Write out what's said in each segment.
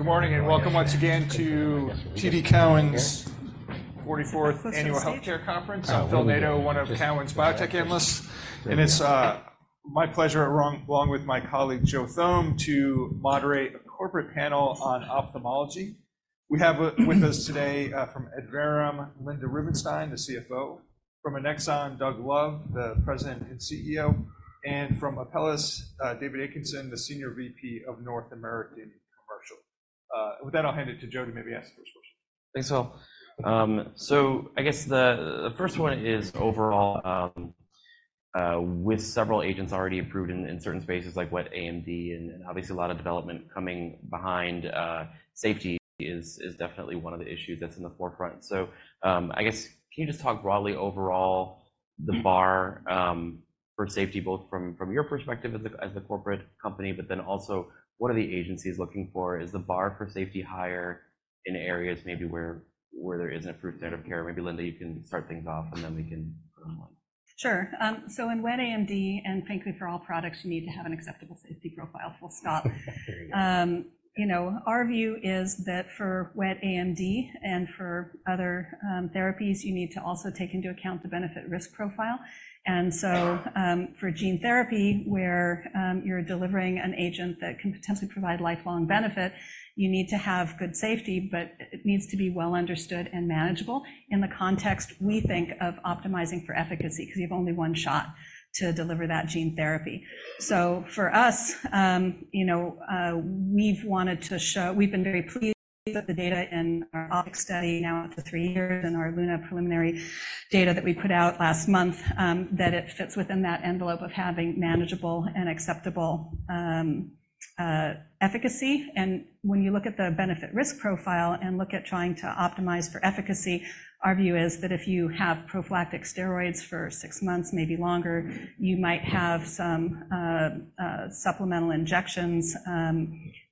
Good morning, and welcome once again to TD Cowen's 44th Annual Healthcare Conference. I'm Phil Nadeau, one of Cowen's biotech analysts, and it's my pleasure, along with my colleague, Joe Thome, to moderate a corporate panel on ophthalmology. We have with us today, from Adverum, Linda Rubinstein, the CFO; from Annexon, Doug Love, the President and CEO; and from Apellis, David Acheson, the Senior VP of North American Commercial. With that, I'll hand it to Joe to maybe ask the first question. Thanks, Phil. So I guess the first one is overall, with several agents already approved in certain spaces like Wet AMD, and obviously, a lot of development coming behind, safety is definitely one of the issues that's in the forefront. So, I guess, can you just talk broadly overall, the bar for safety, both from your perspective as a corporate company, but then also, what are the agencies looking for? Is the bar for safety higher in areas maybe where there is an approved standard of care? Maybe, Linda, you can start things off, and then we can go on. Sure. In Wet AMD, and frankly, for all products, you need to have an acceptable safety profile, full stop. There you go. You know, our view is that for Wet AMD and for other therapies, you need to also take into account the benefit-risk profile. So, for gene therapy, where you're delivering an agent that can potentially provide lifelong benefit, you need to have good safety, but it needs to be well understood and manageable in the context we think of optimizing for efficacy because you have only one shot to deliver that gene therapy. So for us, you know, we've wanted to show. We've been very pleased with the data in our OPTIC study now for three years and our LUNA preliminary data that we put out last month, that it fits within that envelope of having manageable and acceptable efficacy. When you look at the benefit-risk profile and look at trying to optimize for efficacy, our view is that if you have prophylactic steroids for six months, maybe longer, you might have some supplemental injections,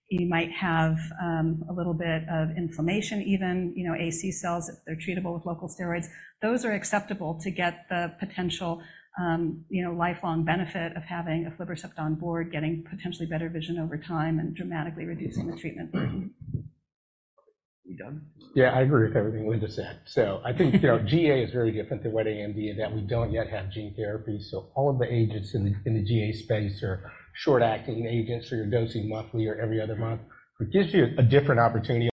you might have a little bit of inflammation, even, you know, AC cells, if they're treatable with local steroids. Those are acceptable to get the potential, you know, lifelong benefit of having an Aflibercept on board, getting potentially better vision over time and dramatically reducing the treatment burden. You done? Yeah, I agree with everything Linda said. So I think, you know, GA is very different to Wet AMD, in that we don't yet have gene therapy, so all of the agents in the GA space are short-acting agents, or you're dosing monthly or every other month, which gives you a different opportunity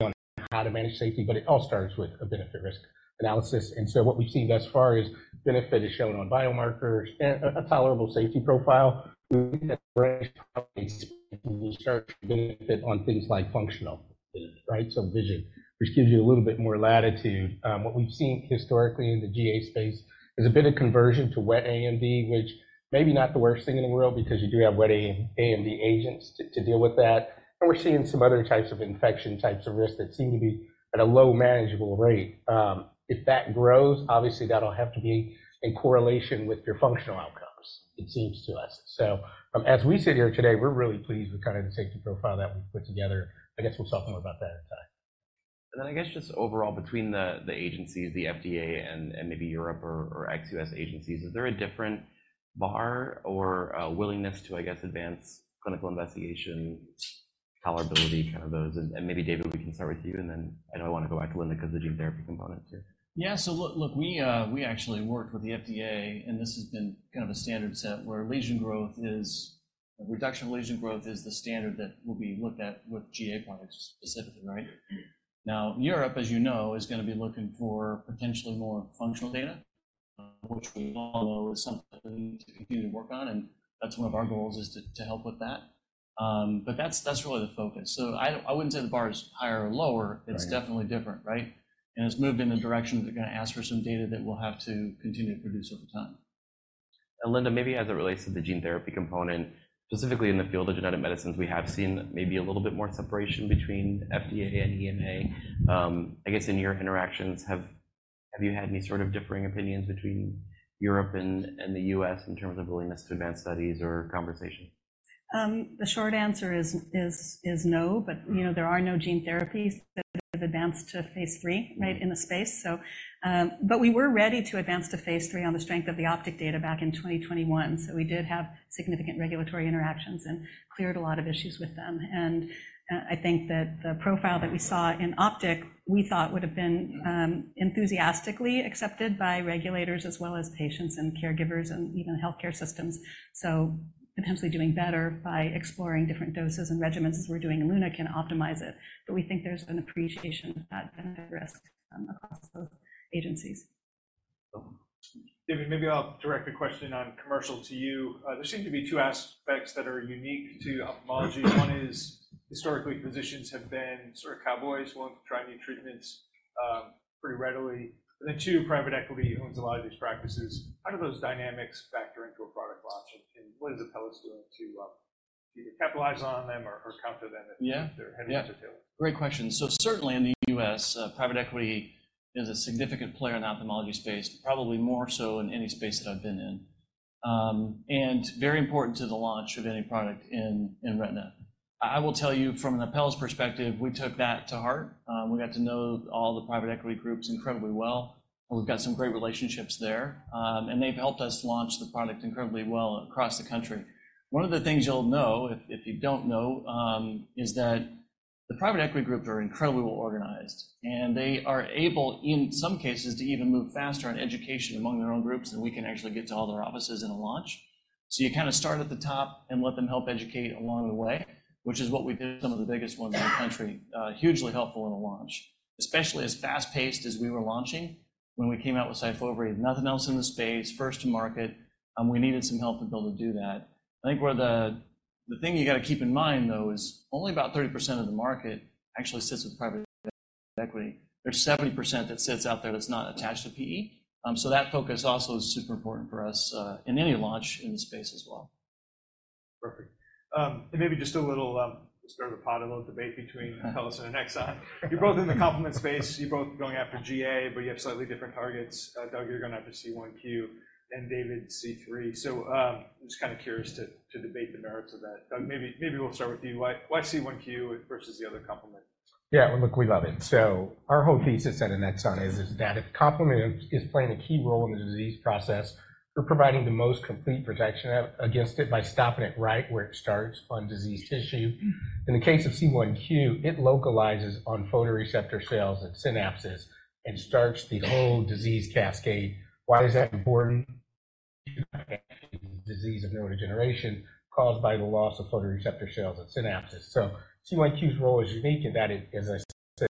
on how to manage safety, but it all starts with a benefit-risk analysis. And so what we've seen thus far is benefit is shown on biomarkers and a tolerable safety profile. We think that benefit on things like functional, right? So vision, which gives you a little bit more latitude. What we've seen historically in the GA space is a bit of conversion to Wet AMD, which may be not the worst thing in the world because you do have Wet AMD agents to deal with that. We're seeing some other types of infection, types of risk that seem to be at a low, manageable rate. If that grows, obviously, that'll have to be in correlation with your functional outcomes, it seems to us. So, as we sit here today, we're really pleased with the safety profile that we've put together. I guess we'll talk more about that in time. And then, I guess, just overall between the agencies, the FDA and maybe Europe or ex-U.S. agencies, is there a different bar or a willingness to, I guess, advance clinical investigation, tolerability, kind of those? And maybe, David, we can start with you, and then I know I want to go back to Linda because the gene therapy component, too. Yeah. So look, look, we, we actually worked with the FDA, and this has been kind of a standard set where lesion growth reduction is the standard that will be looked at with GA products, specifically, right? Now, Europe, as you know, is going to be looking for potentially more functional data, which we all know is something to work on, and that's one of our goals is to help with that. But that's really the focus. So I wouldn't say the bar is higher or lower. Right... it's definitely different, right? It's moved in the direction they're going to ask for some data that we'll have to continue to produce over time. Linda, maybe as it relates to the gene therapy component, specifically in the field of genetic medicines, we have seen maybe a little bit more separation between FDA and EMA. I guess, in your interactions, have you had any sort of differing opinions between Europe and the U.S. in terms of willingness to advance studies or conversation? The short answer is no, but you know, there are no gene therapies that have advanced to phase III, right, in the space. But we were ready to advance to phase III on the strength of the OPTIC data back in 2021. So we did have significant regulatory interactions and cleared a lot of issues with them. And I think that the profile that we saw in OPTIC, we thought would have been enthusiastically accepted by regulators as well as patients and caregivers and even healthcare systems. So potentially doing better by exploring different doses and regimens, as we're doing in LUNA, can optimize it, but we think there's an appreciation of that benefit risk across both agencies. David, maybe I'll direct a question on commercial to you. There seem to be two aspects that are unique to ophthalmology. One is, historically, physicians have been sort of cowboys, wanting to try new treatments, pretty readily. And then, two, private equity owns a lot of these practices. How do those dynamics factor into a product launch, and, and what is Apellis doing to, either capitalize on them or, or counter them? Yeah if they're heading into it? Great question. So certainly in the U.S., private equity is a significant player in the ophthalmology space, probably more so in any space that I've been in, and very important to the launch of any product in retina. I will tell you from an Apellis perspective, we took that to heart. We got to know all the private equity groups incredibly well. We've got some great relationships there, and they've helped us launch the product incredibly well across the country. One of the things you'll know, if you don't know, is that the private equity groups are incredibly well organized, and they are able, in some cases, to even move faster on education among their own groups than we can actually get to all their offices in a launch. So you kind of start at the top and let them help educate along the way, which is what we did with some of the biggest ones in the country. Hugely helpful in a launch, especially as fast-paced as we were launching when we came out with Syfovre. Nothing else in the space, first to market, and we needed some help to be able to do that. I think where the, the thing you got to keep in mind, though, is only about 30% of the market actually sits with private equity. There's 70% that sits out there that's not attached to PE. So that focus also is super important for us, in any launch in the space as well. Perfect. And maybe just a little start of a bit of little debate between Apellis and Annexon. You're both in the complement space. You're both going after GA, but you have slightly different targets. Doug, you're going after C1q, and David, C3. So, I'm just kind of curious to debate the merits of that. Doug, maybe we'll start with you. Why C1q versus the other complement? Yeah, look, we love it. Our whole thesis at Annexon is that if complement is playing a key role in the disease process, we're providing the most complete protection against it by stopping it right where it starts on diseased tissue. In the case of C1q, it localizes on photoreceptor cells and synapses and starts the whole disease cascade. Why is that important? Disease of neurodegeneration caused by the loss of photoreceptor cells and synapses. So C1q's role is unique in that, as I said,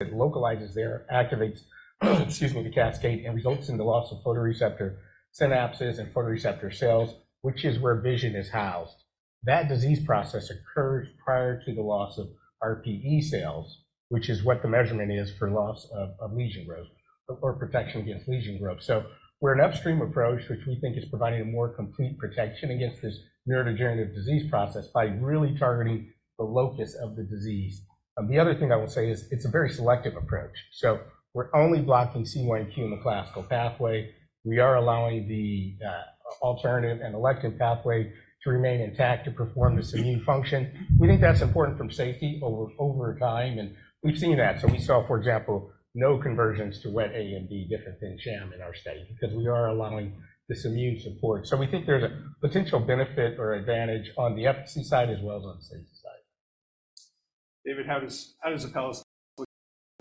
it localizes there, activates, excuse me, the cascade, and results in the loss of photoreceptor synapses and photoreceptor cells, which is where vision is housed. That disease process occurs prior to the loss of RPE cells, which is what the measurement is for loss of lesion growth or protection against lesion growth. So we're an upstream approach, which we think is providing a more complete protection against this neurodegenerative disease process by really targeting the locus of the disease. The other thing I will say is it's a very selective approach. So we're only blocking C1q in the classical pathway. We are allowing the alternative and lectin pathway to remain intact to perform this immune function. We think that's important from safety over time, and we've seen that. So we saw, for example, no conversions to Wet AMD different than sham in our study because we are allowing this immune support. So we think there's a potential benefit or advantage on the efficacy side as well as on the safety side. David, how does Apellis look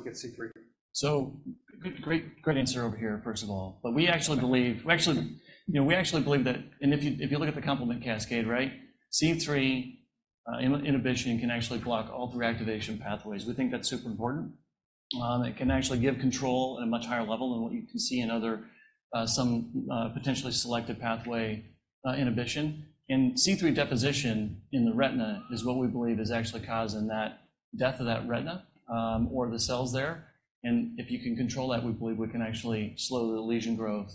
at C3? So good, great, great answer over here, first of all. But we actually believe. We actually, you know, we actually believe that, and if you, if you look at the complement cascade, right, C3 inhibition can actually block all three activation pathways. We think that's super important. It can actually give control at a much higher level than what you can see in other, some, potentially selective pathway inhibition. And C3 deposition in the retina is what we believe is actually causing that death of that retina, or the cells there. And if you can control that, we believe we can actually slow the lesion growth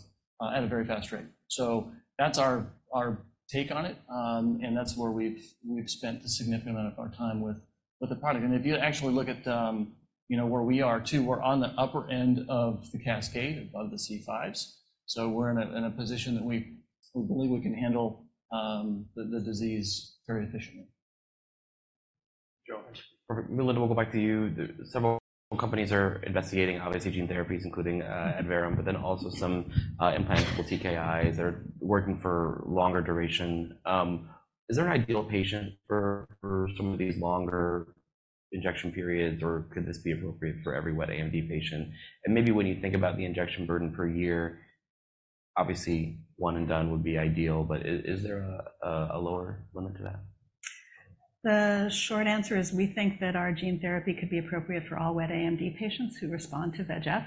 at a very fast rate. So that's our, our take on it, and that's where we've, we've spent a significant amount of our time with, with the product. If you actually look at, you know, where we are, too, we're on the upper end of the cascade, above the C5s. We're in a position that we believe we can handle the disease very efficiently. Joe. Perfect. Linda, we'll go back to you. Several companies are investigating how AAV gene therapies, including Adverum, but then also some implantable TKIs that are working for longer duration. Is there an ideal patient for, for some of these longer injection periods, or could this be appropriate for every Wet AMD patient? And maybe when you think about the injection burden per year, obviously, one and done would be ideal, but is there a, a lower limit to that? The short answer is we think that our gene therapy could be appropriate for all Wet AMD patients who respond to VEGF,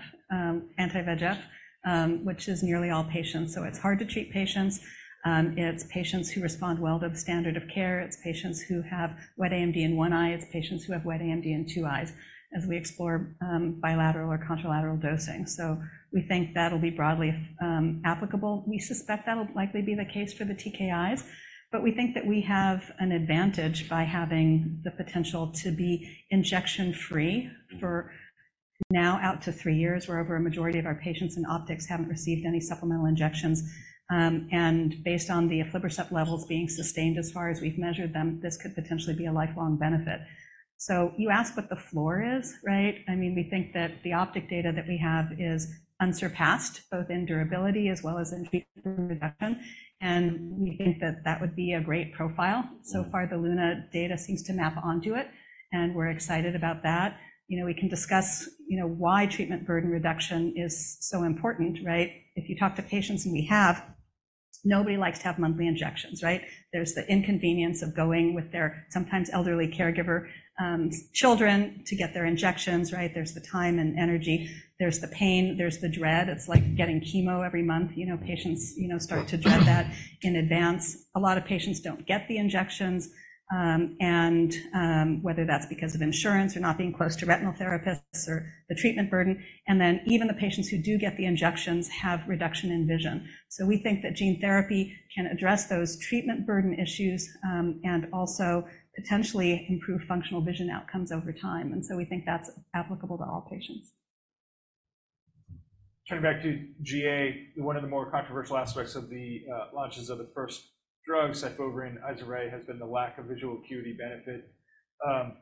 anti-VEGF, which is nearly all patients. So it's hard to treat patients. It's patients who respond well to the standard of care. It's patients who have Wet AMD in one eye. It's patients who have Wet AMD in two eyes, as we explore, bilateral or contralateral dosing. So we think that'll be broadly applicable. We suspect that'll likely be the case for the TKIs, but we think that we have an advantage by having the potential to be injection-free for now out to three years, where over a majority of our patients in OPTIC haven't received any supplemental injections. And based on the aflibercept levels being sustained as far as we've measured them, this could potentially be a lifelong benefit. So you asked what the floor is, right? I mean, we think that the OPTIC data that we have is unsurpassed, both in durability as well as in treatment reduction, and we think that that would be a great profile. So far, the LUNA data seems to map onto it, and we're excited about that. You know, we can discuss, you know, why treatment burden reduction is so important, right? If you talk to patients, and we have, nobody likes to have monthly injections, right? There's the inconvenience of going with their sometimes elderly caregiver, children, to get their injections, right? There's the time and energy, there's the pain, there's the dread. It's like getting chemo every month. You know, patients, you know, start to dread that in advance. A lot of patients don't get the injections, and whether that's because of insurance or not being close to retinal therapists or the treatment burden, and then even the patients who do get the injections have reduction in vision. So we think that gene therapy can address those treatment burden issues, and also potentially improve functional vision outcomes over time. And so we think that's applicable to all patients. Turning back to GA, one of the more controversial aspects of the launches of the first drug, Syfovre and Izervay, has been the lack of visual acuity benefit.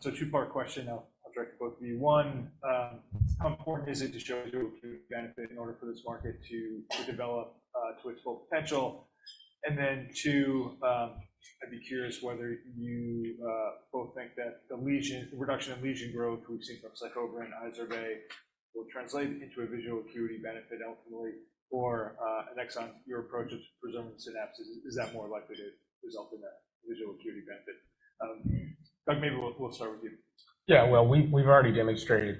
So two-part question. I'll direct to both of you. One, how important is it to show visual acuity benefit in order for this market to develop to its full potential? And then two, I'd be curious whether you both think that the reduction in lesion growth we've seen from Syfovre, Izervay will translate into a visual acuity benefit ultimately, or Annexon your approach of preserving synapses is that more likely to result in a visual acuity benefit? But maybe we'll start with you. Yeah, well, we've already demonstrated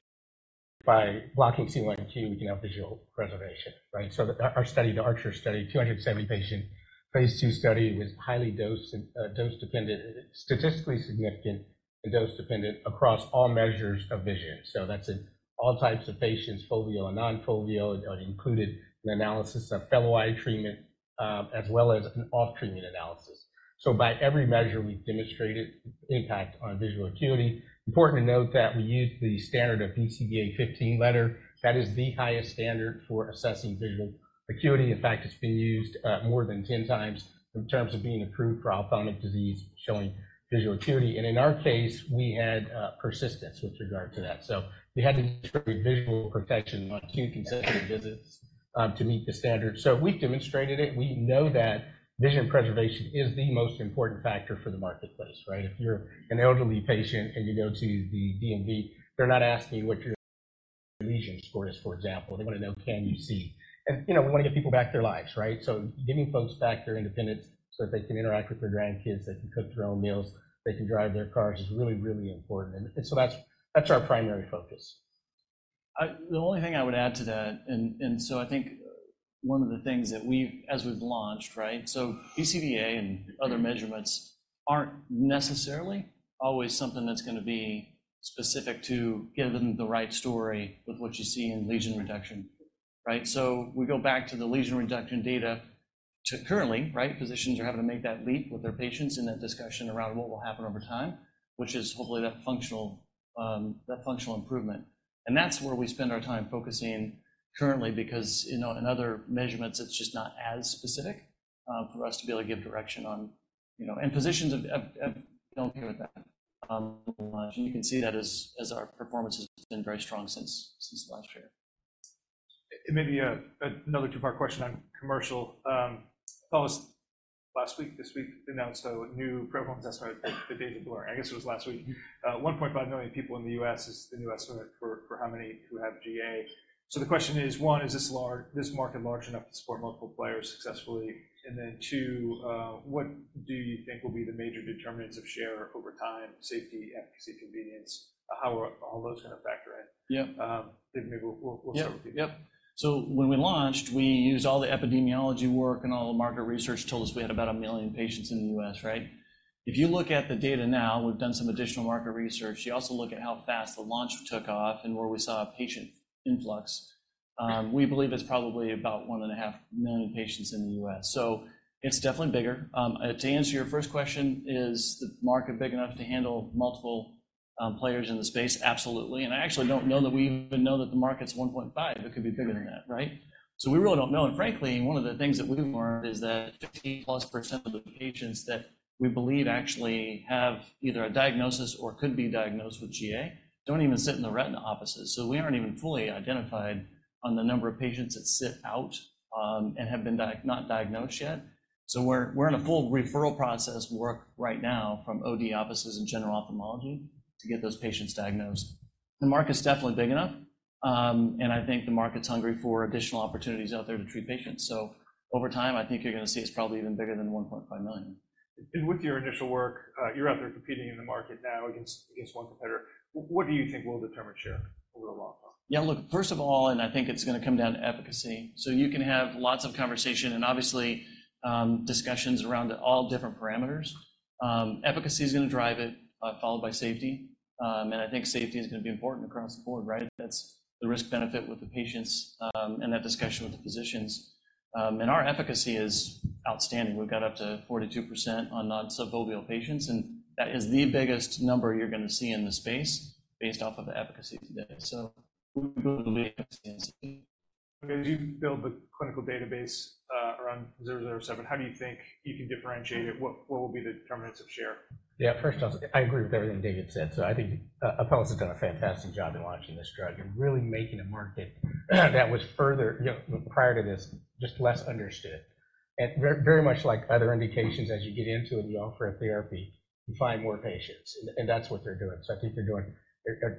by blocking C1q, we can have visual preservation, right? So our study, the ARCHER study, 270-patient phase II study, was highly dose dependent, statistically significant, and dose dependent across all measures of vision. So that's in all types of patients, foveal and non-foveal, are included in the analysis of fellow eye treatment, as well as an off-treatment analysis. So by every measure, we've demonstrated impact on visual acuity. Important to note that we use the standard of BCVA 15-letter. That is the highest standard for assessing visual acuity. In fact, it's been used more than 10x in terms of being approved for ophthalmic disease, showing visual acuity. And in our case, we had persistence with regard to that. So we had to distribute visual protection on two consecutive visits, to meet the standard. So we've demonstrated it. We know that vision preservation is the most important factor for the marketplace, right? If you're an elderly patient and you go to the DMV, they're not asking what your lesion score is, for example. They want to know, can you see? And, you know, we want to get people back their lives, right? So giving folks back their independence so that they can interact with their grandkids, they can cook their own meals, they can drive their cars, is really, really important. And so that's, that's our primary focus. The only thing I would add to that, and, and so I think one of the things that we've... as we've launched, right? So BCVA and other measurements aren't necessarily always something that's going to be specific to give them the right story with what you see in lesion reduction, right? So we go back to the lesion reduction data to currently, right, physicians are having to make that leap with their patients in that discussion around what will happen over time, which is hopefully that functional, that functional improvement. And that's where we spend our time focusing currently, because, you know, in other measurements, it's just not as specific, for us to be able to give direction on, you know, and physicians have, have, have dealt with that, a lot. You can see that our performance has been very strong since last year. It may be another two-part question on commercial. Tell us, last week this week announced a new prevalence estimate, the [data blur]. I guess it was last week. One million people in the U.S. is the new estimate for how many who have GA. So the question is, one, is this market large enough to support multiple players successfully? And then, two, what do you think will be the major determinants of share over time, safety, efficacy, convenience? How are all those going to factor in? Yeah. Maybe we'll start with you. Yep. So when we launched, we used all the epidemiology work, and all the market research told us we had about one million patients in the U.S., right? If you look at the data now, we've done some additional market research. You also look at how fast the launch took off and where we saw a patient influx. We believe it's probably about 1.5 million patients in the U.S. So it's definitely bigger. To answer your first question, is the market big enough to handle multiple players in the space? Absolutely. And I actually don't know that we even know that the market's 1.5. It could be bigger than that, right? So we really don't know. Frankly, one of the things that we've learned is that 50%+ of the patients that we believe actually have either a diagnosis or could be diagnosed with GA don't even sit in the retina offices. So we aren't even fully identified on the number of patients that sit out and have not been diagnosed yet. So we're in a full referral process work right now from OD offices and general ophthalmology to get those patients diagnosed. The market is definitely big enough, and I think the market's hungry for additional opportunities out there to treat patients. So over time, I think you're going to see it's probably even bigger than 1.5 million. With your initial work, you're out there competing in the market now against, against one competitor. What do you think will determine share over the long run? Yeah, look, first of all, and I think it's going to come down to efficacy. So you can have lots of conversation and obviously, discussions around all different parameters. Efficacy is going to drive it, followed by safety. And I think safety is going to be important across the board, right? That's the risk-benefit with the patients, and that discussion with the physicians. And our efficacy is outstanding. We've got up to 42% on non-subfoveal patients, and that is the biggest number you're going to see in the space based off of the efficacy today. So... As you build the clinical database, around ANX007, how do you think you can differentiate it? What, what will be the determinants of share? Yeah, first off, I agree with everything David said. So I think, Apellis has done a fantastic job in launching this drug and really making a market that was further, you know, prior to this, just less understood. And very, very much like other indications, as you get into and offer a therapy, you find more patients, and that's what they're doing. So I think they're doing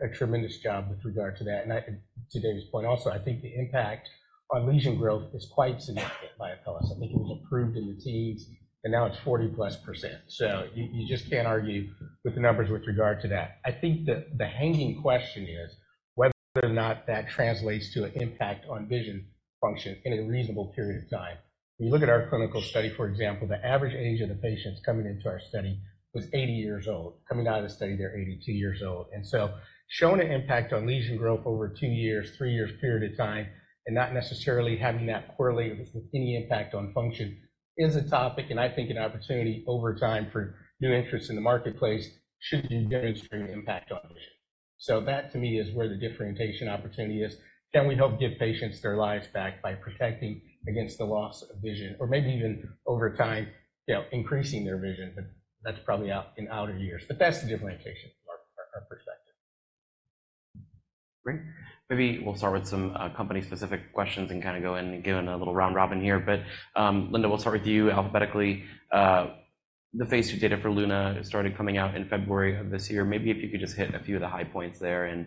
a tremendous job with regard to that. And to David's point also, I think the impact on lesion growth is quite significant by Apellis. I think it was approved in the teens, and now it's 40%+. So you just can't argue with the numbers with regard to that. I think the hanging question is whether or not that translates to an impact on vision function in a reasonable period of time. When you look at our clinical study, for example, the average age of the patients coming into our study was 80 years old. Coming out of the study, they're 82 years old. And so showing an impact on lesion growth over 2 years, 3 years period of time, and not necessarily having that correlate with any impact on function is a topic, and I think an opportunity over time for new interests in the marketplace should be demonstrating impact on vision. So that to me is where the differentiation opportunity is. Can we help give patients their lives back by protecting against the loss of vision, or maybe even over time, you know, increasing their vision? But that's probably out in outer years, but that's the differentiation from our, our perspective.... Great. Maybe we'll start with some company-specific questions and kind of go in and give it a little round robin here. But, Linda, we'll start with you alphabetically. The phase II data for LUNA started coming out in February of this year. Maybe if you could just hit a few of the high points there, and,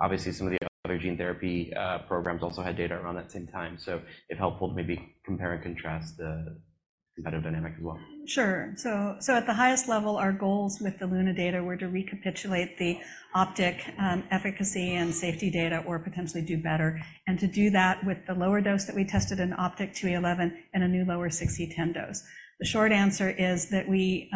obviously, some of the other gene therapy programs also had data around that same time. So if helpful, maybe compare and contrast the competitive dynamic as well. Sure. So at the highest level, our goals with the LUNA data were to recapitulate the OPTIC efficacy and safety data or potentially do better, and to do that with the lower dose that we tested in OPTIC 2E11 and a new lower 6E10 dose. The short answer is that we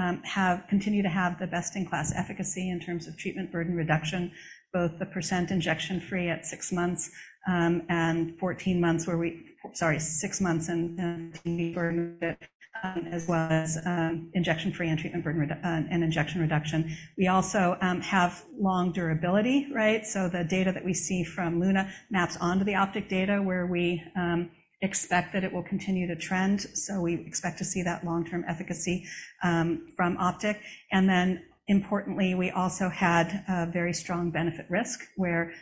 continue to have the best-in-class efficacy in terms of treatment burden reduction, both the percent injection free at six months and 14 months, where we... Sorry, six months and as well as injection free and treatment burden and injection reduction. We also have long durability, right? So the data that we see from LUNA maps onto the OPTIC data, where we expect that it will continue to trend. So we expect to see that long-term efficacy from OPTIC. Then importantly, we also had a very strong benefit risk, where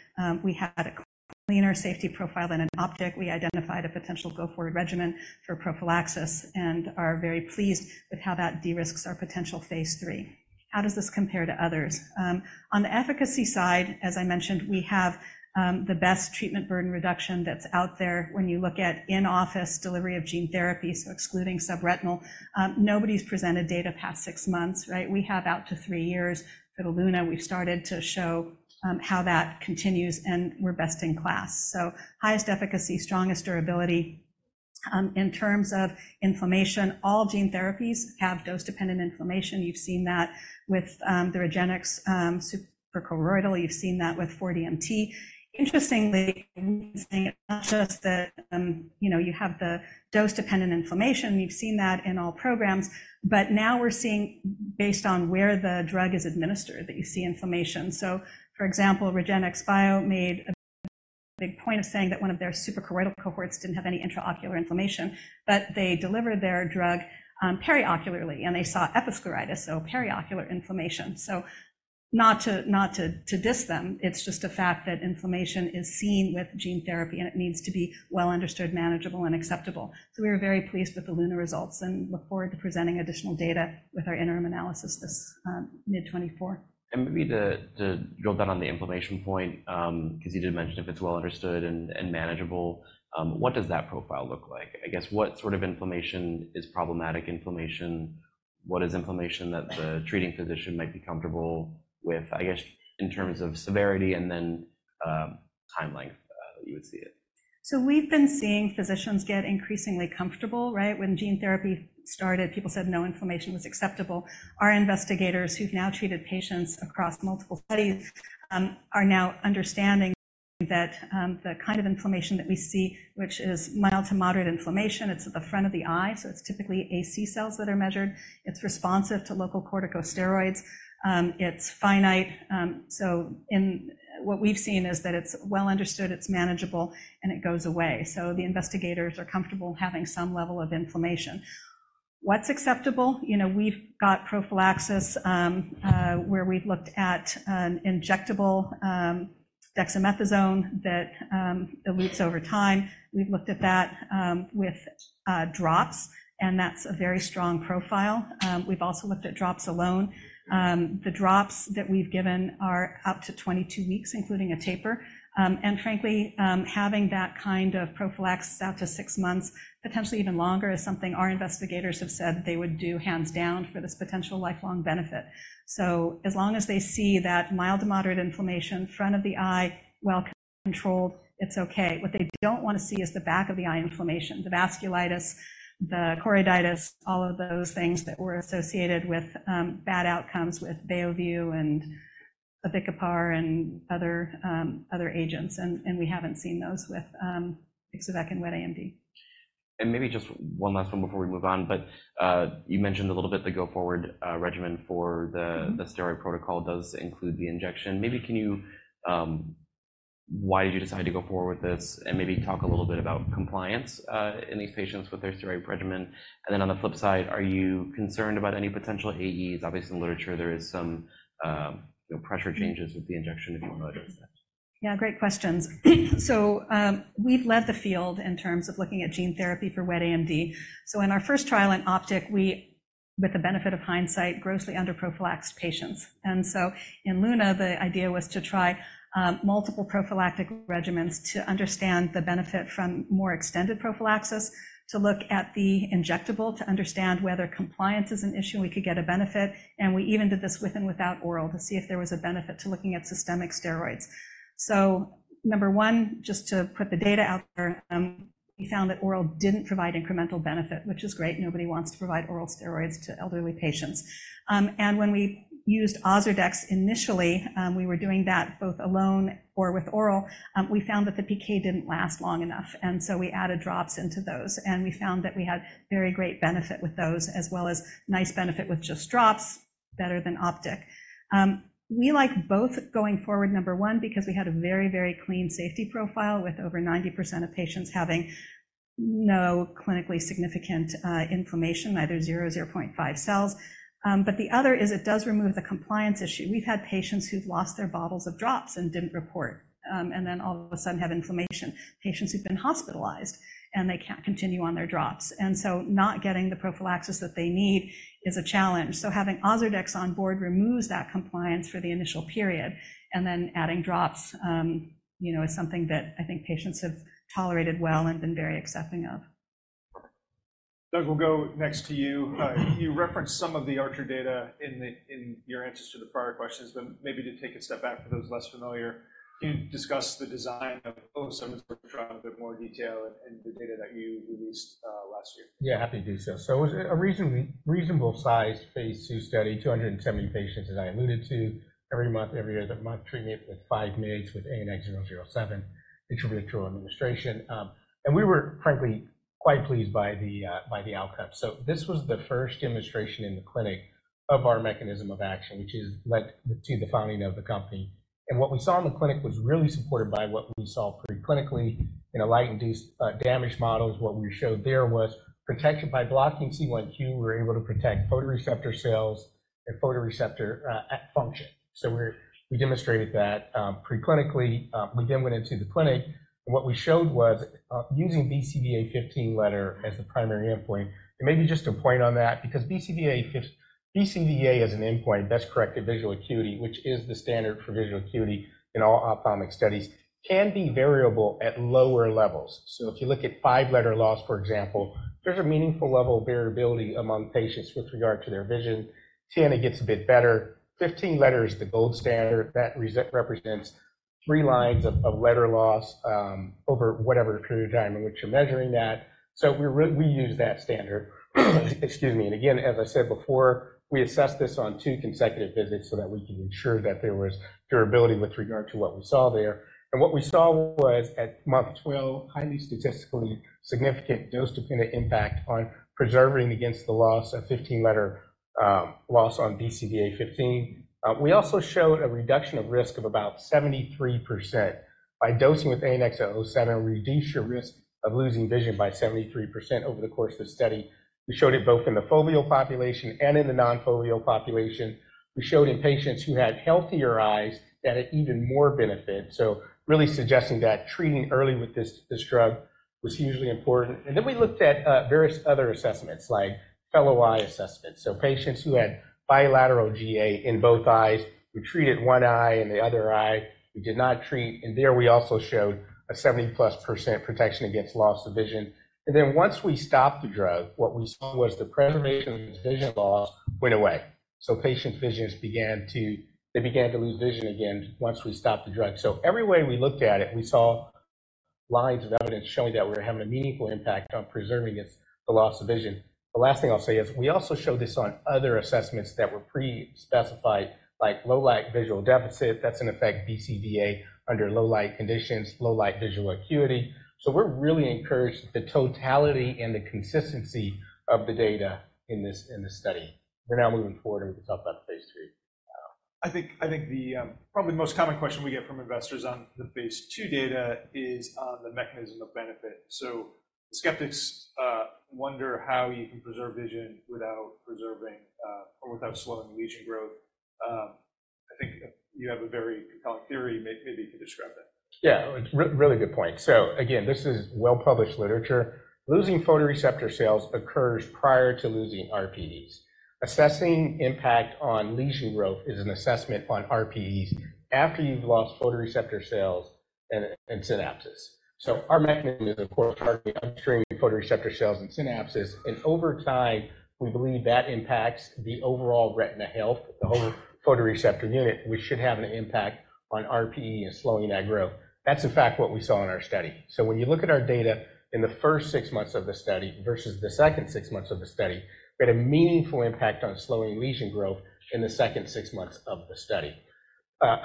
we had a cleaner safety profile than OPTIC. We identified a potential go-forward regimen for prophylaxis and are very pleased with how that de-risks our potential phase III. How does this compare to others? On the efficacy side, as I mentioned, we have the best treatment burden reduction that's out there when you look at in-office delivery of gene therapy, so excluding subretinal. Nobody's presented data past six months, right? We have out to three years for the LUNA. We've started to show how that continues, and we're best in class. So highest efficacy, strongest durability. In terms of inflammation, all gene therapies have dose-dependent inflammation. You've seen that with the REGENXBIO suprachoroidal. You've seen that with 40DMT. Interestingly, it's not just that, you know, you have the dose-dependent inflammation. We've seen that in all programs, but now we're seeing based on where the drug is administered, that you see inflammation. So for example, REGENXBIO made a big point of saying that one of their suprachoroidal cohorts didn't have any intraocular inflammation, but they delivered their drug periocularly, and they saw episcleritis, so periocular inflammation. So not to diss them, it's just a fact that inflammation is seen with gene therapy, and it needs to be well understood, manageable, and acceptable. So we are very pleased with the LUNA results and look forward to presenting additional data with our interim analysis this mid-2024. And maybe to drill down on the inflammation point, because you did mention if it's well understood and manageable, what does that profile look like? I guess, what sort of inflammation is problematic inflammation? What is inflammation that the treating physician might be comfortable with, I guess, in terms of severity and then timeline you would see it? So we've been seeing physicians get increasingly comfortable, right? When gene therapy started, people said no inflammation was acceptable. Our investigators, who've now treated patients across multiple studies, are now understanding that, the kind of inflammation that we see, which is mild to moderate inflammation, it's at the front of the eye, so it's typically AC cells that are measured. It's responsive to local corticosteroids. It's finite. So what we've seen is that it's well understood, it's manageable, and it goes away. So the investigators are comfortable having some level of inflammation. What's acceptable? You know, we've got prophylaxis, where we've looked at an injectable, dexamethasone that, elutes over time. We've looked at that, with, drops, and that's a very strong profile. We've also looked at drops alone. The drops that we've given are up to 22 weeks, including a taper. And frankly, having that kind of prophylaxis out to six months, potentially even longer, is something our investigators have said they would do hands down for this potential lifelong benefit. So as long as they see that mild to moderate inflammation, front of the eye, well controlled, it's okay. What they don't want to see is the back of the eye inflammation, the vasculitis, the choroiditis, all of those things that were associated with bad outcomes with Beovu and Abicipar pegol and other, other agents, and we haven't seen those with Ixo-vec and Wet AMD. Maybe just one last one before we move on, but you mentioned a little bit the go-forward regimen for the- Mm-hmm. The steroid protocol does include the injection. Maybe can you... Why did you decide to go forward with this? And maybe talk a little bit about compliance in these patients with their steroid regimen. And then on the flip side, are you concerned about any potential AEs? Obviously, in the literature, there is some, you know, pressure changes with the injection if you want to address that. Yeah, great questions. So, we've led the field in terms of looking at gene therapy for Wet AMD. So in our first trial in OPTIC, we, with the benefit of hindsight, grossly under prophylaxed patients. And so in LUNA, the idea was to try multiple prophylactic regimens to understand the benefit from more extended prophylaxis, to look at the injectable, to understand whether compliance is an issue, and we could get a benefit. And we even did this with and without oral to see if there was a benefit to looking at systemic steroids. So number one, just to put the data out there, we found that oral didn't provide incremental benefit, which is great. Nobody wants to provide oral steroids to elderly patients. When we used Ozurdex initially, we were doing that both alone or with oral, we found that the PK didn't last long enough, and so we added drops into those, and we found that we had very great benefit with those, as well as nice benefit with just drops, better than OPTIC. We like both going forward, number one, because we had a very, very clean safety profile, with over 90% of patients having no clinically significant inflammation, either zero or 0.5 cells. But the other is it does remove the compliance issue. We've had patients who've lost their bottles of drops and didn't report, and then all of a sudden have inflammation, patients who've been hospitalized, and they can't continue on their drops. So not getting the prophylaxis that they need is a challenge. So having Ozurdex on board removes that compliance for the initial period, and then adding drops, you know, is something that I think patients have tolerated well and been very accepting of. Doug, we'll go next to you. You referenced some of the ARCHER data in your answers to the prior questions, but maybe to take a step back for those less familiar, can you discuss the design of ANX007 trial in a bit more detail and the data that you released last year? Yeah, happy to do so. So it was a reasonably reasonable size phase II study, 270 patients, as I alluded to. Every month, every other month, treated with 5 mg with ANX007 intravitreal administration. And we were frankly quite pleased by the outcome. So this was the first demonstration in the clinic of our mechanism of action, which has led to the founding of the company. And what we saw in the clinic was really supported by what we saw pre-clinically in a light-induced damage models. What we showed there was protection. By blocking C1q, we were able to protect photoreceptor cells and photoreceptor function. So we demonstrated that pre-clinically. We then went into the clinic, and what we showed was using BCVA 15-letter as the primary endpoint. And maybe just to point on that, because BCVA 15—BCVA as an endpoint, best-corrected visual acuity, which is the standard for visual acuity in all ophthalmic studies, can be variable at lower levels. So if you look at five-letter loss, for example, there's a meaningful level of variability among patients with regard to their vision. 10, it gets a bit better. 15-letter is the gold standard that represents three lines of letter loss over whatever period of time in which you're measuring that. So we use that standard. Excuse me. And again, as I said before, we assess this on two consecutive visits so that we can ensure that there was durability with regard to what we saw there. What we saw was, at month 12, highly statistically significant, dose-dependent impact on preserving against the loss of 15-letter loss on BCVA 15. We also showed a reduction of risk of about 73%. By dosing with ANX007, reduce your risk of losing vision by 73% over the course of the study. We showed it both in the foveal population and in the non-foveal population. We showed in patients who had healthier eyes that had even more benefit, so really suggesting that treating early with this, this drug was hugely important. Then we looked at various other assessments, like fellow eye assessments. So patients who had bilateral GA in both eyes, we treated one eye, and the other eye, we did not treat. And there we also showed a 70%+ protection against loss of vision. Once we stopped the drug, what we saw was the preservation of vision loss went away. So patients began to lose vision again once we stopped the drug. So every way we looked at it, we saw lines of evidence showing that we were having a meaningful impact on preserving against the loss of vision. The last thing I'll say is, we also showed this on other assessments that were pre-specified, like low light visual deficit. That's in effect, BCVA, under low light conditions, low light visual acuity. So we're really encouraged by the totality and the consistency of the data in this study. We're now moving forward with the top-up phase III. I think probably the most common question we get from investors on the phase II data is on the mechanism of benefit. So skeptics wonder how you can preserve vision without preserving or without slowing lesion growth. I think you have a very compelling theory. Maybe you could describe that. Yeah, really good point. So again, this is well-published literature. Losing photoreceptor cells occurs prior to losing RPEs. Assessing impact on lesion growth is an assessment on RPEs after you've lost photoreceptor cells and synapses. So our mechanism is, of course, targeting upstream photoreceptor cells and synapses, and over time, we believe that impacts the overall retina health, the whole photoreceptor unit. We should have an impact on RPE and slowing that growth. That's, in fact, what we saw in our study. So when you look at our data in the first 6 months of the study versus the second 6 months of the study, we had a meaningful impact on slowing lesion growth in the second six months of the study.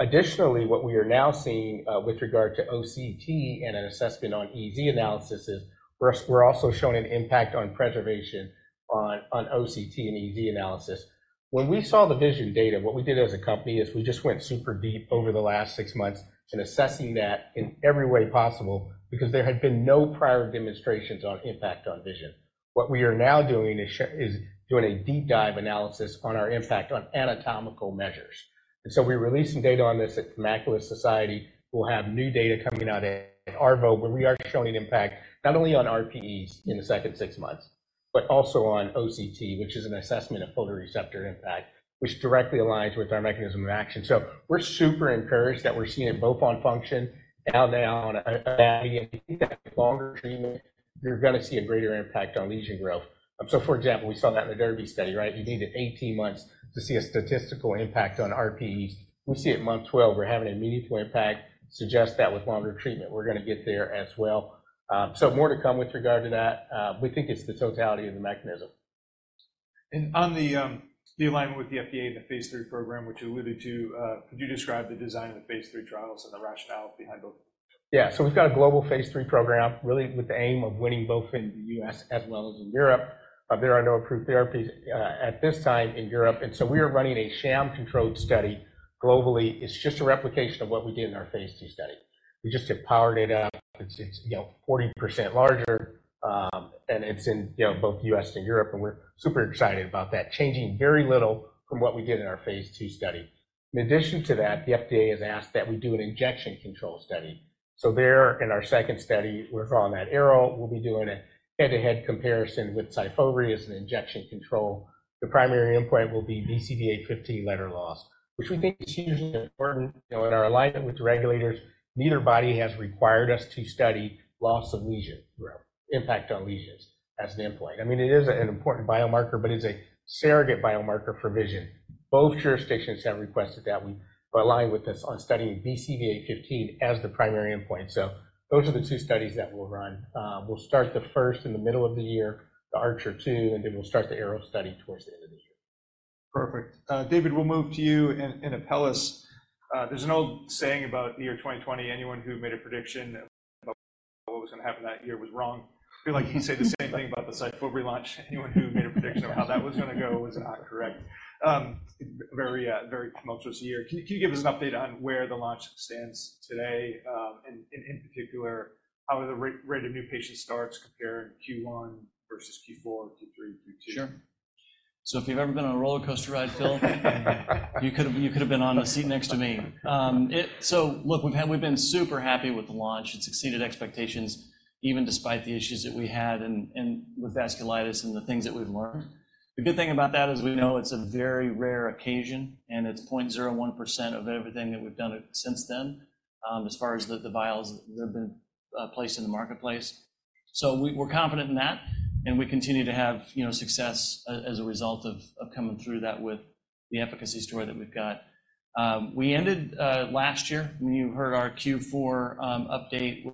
Additionally, what we are now seeing with regard to OCT and an assessment on EZ analysis is, we're also showing an impact on preservation on OCT and EZ analysis. When we saw the vision data, what we did as a company is we just went super deep over the last six months in assessing that in every way possible, because there had been no prior demonstrations on impact on vision. What we are now doing is doing a deep dive analysis on our impact on anatomical measures. And so we're releasing data on this at Macula Society. We'll have new data coming out at ARVO, but we are showing an impact not only on RPEs in the second six months, but also on OCT, which is an assessment of photoreceptor impact, which directly aligns with our mechanism of action. So we're super encouraged that we're seeing it both on function and now on longer treatment, you're gonna see a greater impact on lesion growth. So for example, we saw that in the DERBY study, right? You needed 18 months to see a statistical impact on RPEs. We see at month 12, we're having a meaningful impact, suggest that with longer treatment, we're gonna get there as well. So more to come with regard to that. We think it's the totality of the mechanism. On the alignment with the FDA and the phase III program, which you alluded to, could you describe the design of the phase III trials and the rationale behind both? Yeah. So we've got a global phase III program, really with the aim of winning both in the U.S. as well as in Europe. There are no approved therapies at this time in Europe, and so we are running a sham-controlled study globally. It's just a replication of what we did in our phase II study. We just have powered it up. It's, it's, you know, 40% larger, and it's in, you know, both U.S. and Europe, and we're super excited about that, changing very little from what we did in our phase II study. In addition to that, the FDA has asked that we do an injection control study. So there, in our second study, we're calling that ARROW. We'll be doing a head-to-head comparison with Syfovre as an injection control. The primary endpoint will be BCVA 15-letter loss, which we think is hugely important. You know, in our alignment with the regulators, neither body has required us to study loss of lesion growth, impact on lesions as an endpoint. I mean, it is an important biomarker, but it's a surrogate biomarker for vision. Both jurisdictions have requested that we are aligned with this on studying BCVA 15 as the primary endpoint. So those are the two studies that we'll run. We'll start the first in the middle of the year, the ARCHER II, and then we'll start the ARROW study towards the end of the year. Perfect. David, we'll move to you and Apellis. There's an old saying about the year 2020, anyone who made a prediction about what was going to happen that year was wrong. I feel like you say the same thing about the Syfovre launch. Anyone who made a prediction of how that was going to go was not correct. Very, very tumultuous year. Can you give us an update on where the launch stands today, and in particular, how are the rate of new patient starts comparing Q1 versus Q4, Q3, Q2? Sure. So if you've ever been on a roller coaster ride, Phil, you could have, you could have been on a seat next to me. So look, we've been super happy with the launch. It's exceeded expectations, even despite the issues that we had and with vasculitis and the things that we've learned. The good thing about that is we know it's a very rare occasion, and it's 0.01% of everything that we've done since then, as far as the vials that have been placed in the marketplace. So we're confident in that, and we continue to have, you know, success as a result of coming through that with the efficacy story that we've got. We ended last year, when you heard our Q4 update,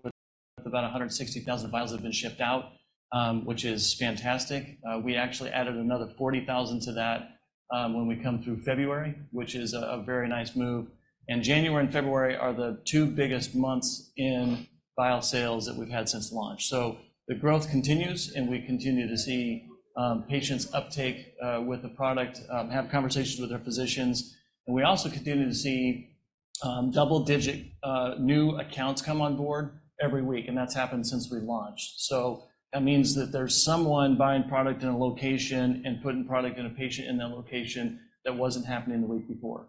with about 160,000 vials have been shipped out, which is fantastic. We actually added another 40,000 to that, when we come through February, which is a very nice move. January and February are the two biggest months in vial sales that we've had since launch. The growth continues, and we continue to see patients uptake with the product have conversations with their physicians. We also continue to see double-digit new accounts come on board every week, and that's happened since we launched. That means that there's someone buying product in a location and putting product in a patient in that location that wasn't happening the week before,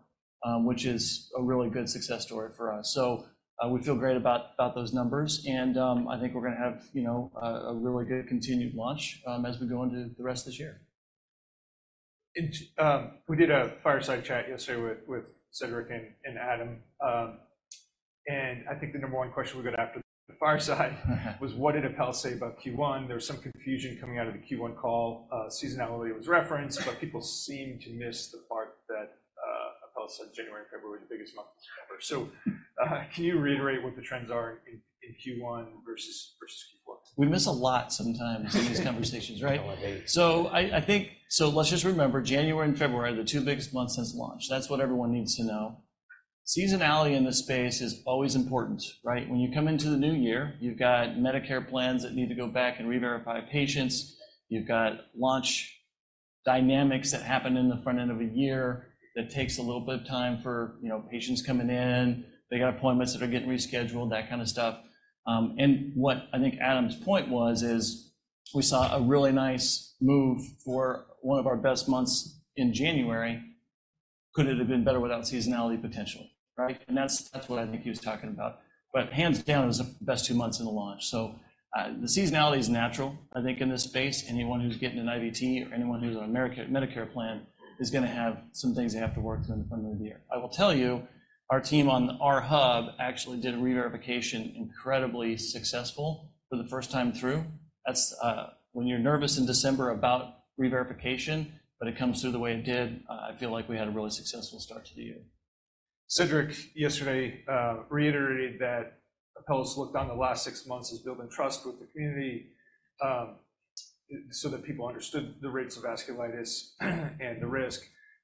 which is a really good success story for us. So, we feel great about those numbers, and I think we're gonna have, you know, a really good continued launch as we go into the rest of this year. And, we did a fireside chat yesterday with Cedric and Adam. And I think the number one question we got after the fireside- Mm-hmm. What did Apellis say about Q1? There was some confusion coming out of the Q1 call. Seasonality was referenced, but people seemed to miss the part that Apellis said January and February were the biggest months. So, can you reiterate what the trends are in Q1 versus Q4? We miss a lot sometimes in these conversations, right? We do. So, let's just remember, January and February are the two biggest months since launch. That's what everyone needs to know. Seasonality in this space is always important, right? When you come into the new year, you've got Medicare plans that need to go back and reverify patients. You've got launch dynamics that happen in the front end of a year that takes a little bit of time for, you know, patients coming in. They got appointments that are getting rescheduled, that kind of stuff. And what I think Adam's point was is, we saw a really nice move for one of our best months in January. Could it have been better without seasonality potentially, right? And that's, that's what I think he was talking about. But hands down, it was the best two months in the launch. So, the seasonality is natural, I think, in this space. Anyone who's getting an IVT or anyone who's on Medicare, Medicare plan is gonna have some things they have to work through in the front of the year. I will tell you, our team on our hub actually did a re-verification, incredibly successful for the first time through. That's when you're nervous in December about re-verification, but it comes through the way it did, I feel like we had a really successful start to the year. Cedric, yesterday reiterated that Apellis looked on the last six months as building trust with the community, so that people understood the rates of vasculitis and the risk.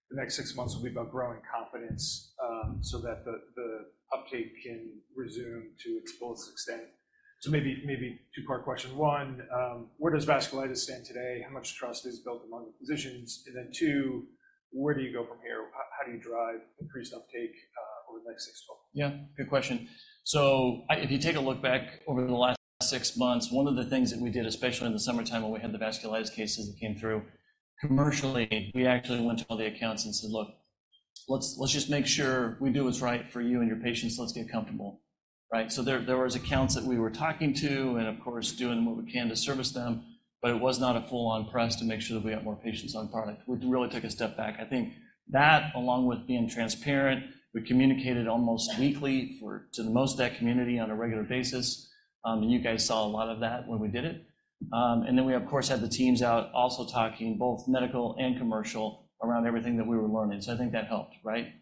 The next six months will be about growing confidence, so that the uptake can resume to its fullest extent. So maybe, maybe two-part question. One, where does vasculitis stand today? How much trust is built among the physicians? And then two, where do you go from here? How do you drive increased uptake over the next six months? Yeah, good question. So if you take a look back over the last six months, one of the things that we did, especially in the summertime, when we had the vasculitis cases that came through, commercially, we actually went to all the accounts and said, "Look, let's just make sure we do what's right for you and your patients. Let's get comfortable." Right? So there was accounts that we were talking to, and of course, doing what we can to service them, but it was not a full-on press to make sure that we got more patients on product. We really took a step back. I think that, along with being transparent, we communicated almost weekly, or at the most, that community on a regular basis. And you guys saw a lot of that when we did it. And then we, of course, had the teams out also talking both medical and commercial around everything that we were learning. So I think that helped, right?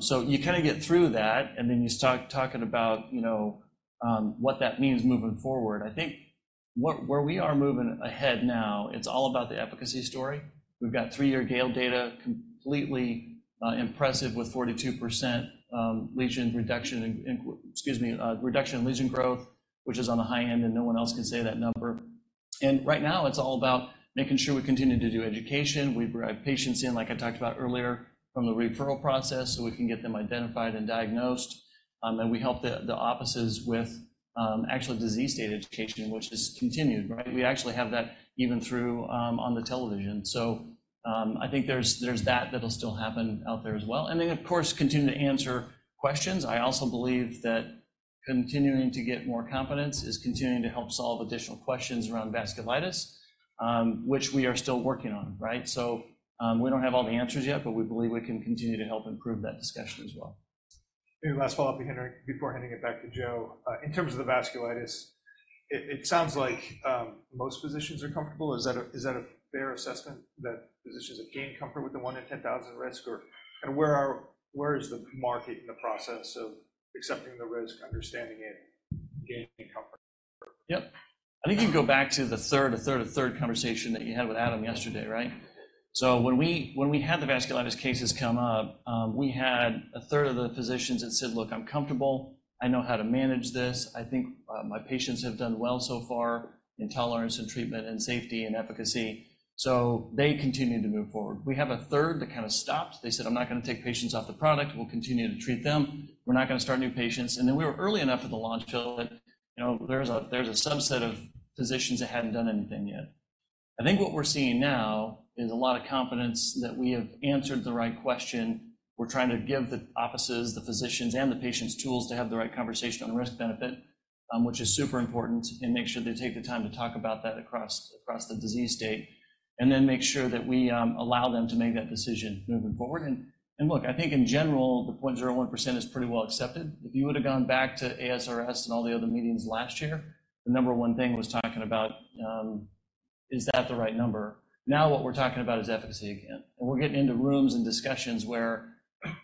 So you kinda get through that, and then you start talking about, you know, what that means moving forward. I think where we are moving ahead now, it's all about the efficacy story. We've got three-year GALE data, completely impressive, with 42% lesion reduction, in, excuse me, reduction in lesion growth, which is on the high end, and no one else can say that number. And right now, it's all about making sure we continue to do education. We bring patients in, like I talked about earlier, from the referral process, so we can get them identified and diagnosed. And we help the offices with actual disease state education, which is continued, right? We actually have that even through on the television. So, I think there's that, that'll still happen out there as well, and then, of course, continue to answer questions. I also believe that continuing to get more confidence is continuing to help solve additional questions around vasculitis, which we are still working on, right? So, we don't have all the answers yet, but we believe we can continue to help improve that discussion as well. Maybe last follow-up with [Henry] before handing it back to Joe. In terms of the vasculitis, it sounds like most physicians are comfortable. Is that a fair assessment, that physicians have gained comfort with the 1 in 10,000 risk? Or, and where is the market in the process of accepting the risk, understanding it, and gaining comfort? Yep. I think you can go back to the third conversation that you had with Adam yesterday, right? So when we had the vasculitis cases come up, we had a third of the physicians that said, "Look, I'm comfortable. I know how to manage this. I think my patients have done well so far in tolerance, and treatment, and safety, and efficacy." So they continued to move forward. We have a third that kind of stopped. They said, "I'm not going to take patients off the product. We'll continue to treat them. We're not going to start new patients." And then we were early enough at the launch build that, you know, there's a subset of physicians that hadn't done anything yet. I think what we're seeing now is a lot of confidence that we have answered the right question. We're trying to give the offices, the physicians, and the patients tools to have the right conversation on risk-benefit, which is super important, and make sure they take the time to talk about that across, across the disease state, and then make sure that we allow them to make that decision moving forward. And look, I think in general, the 0.01% is pretty well accepted. If you would have gone back to ASRS and all the other meetings last year, the number one thing was talking about is that the right number? Now, what we're talking about is efficacy again. We're getting into rooms and discussions where,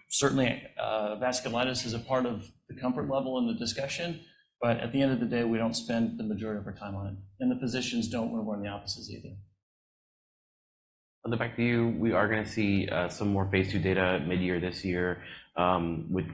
certainly, vasculitis is a part of the comfort level in the discussion, but at the end of the day, we don't spend the majority of our time on it, and the physicians don't when we're in the offices either. On the back to you, we are going to see some more phase II data mid-year this year, with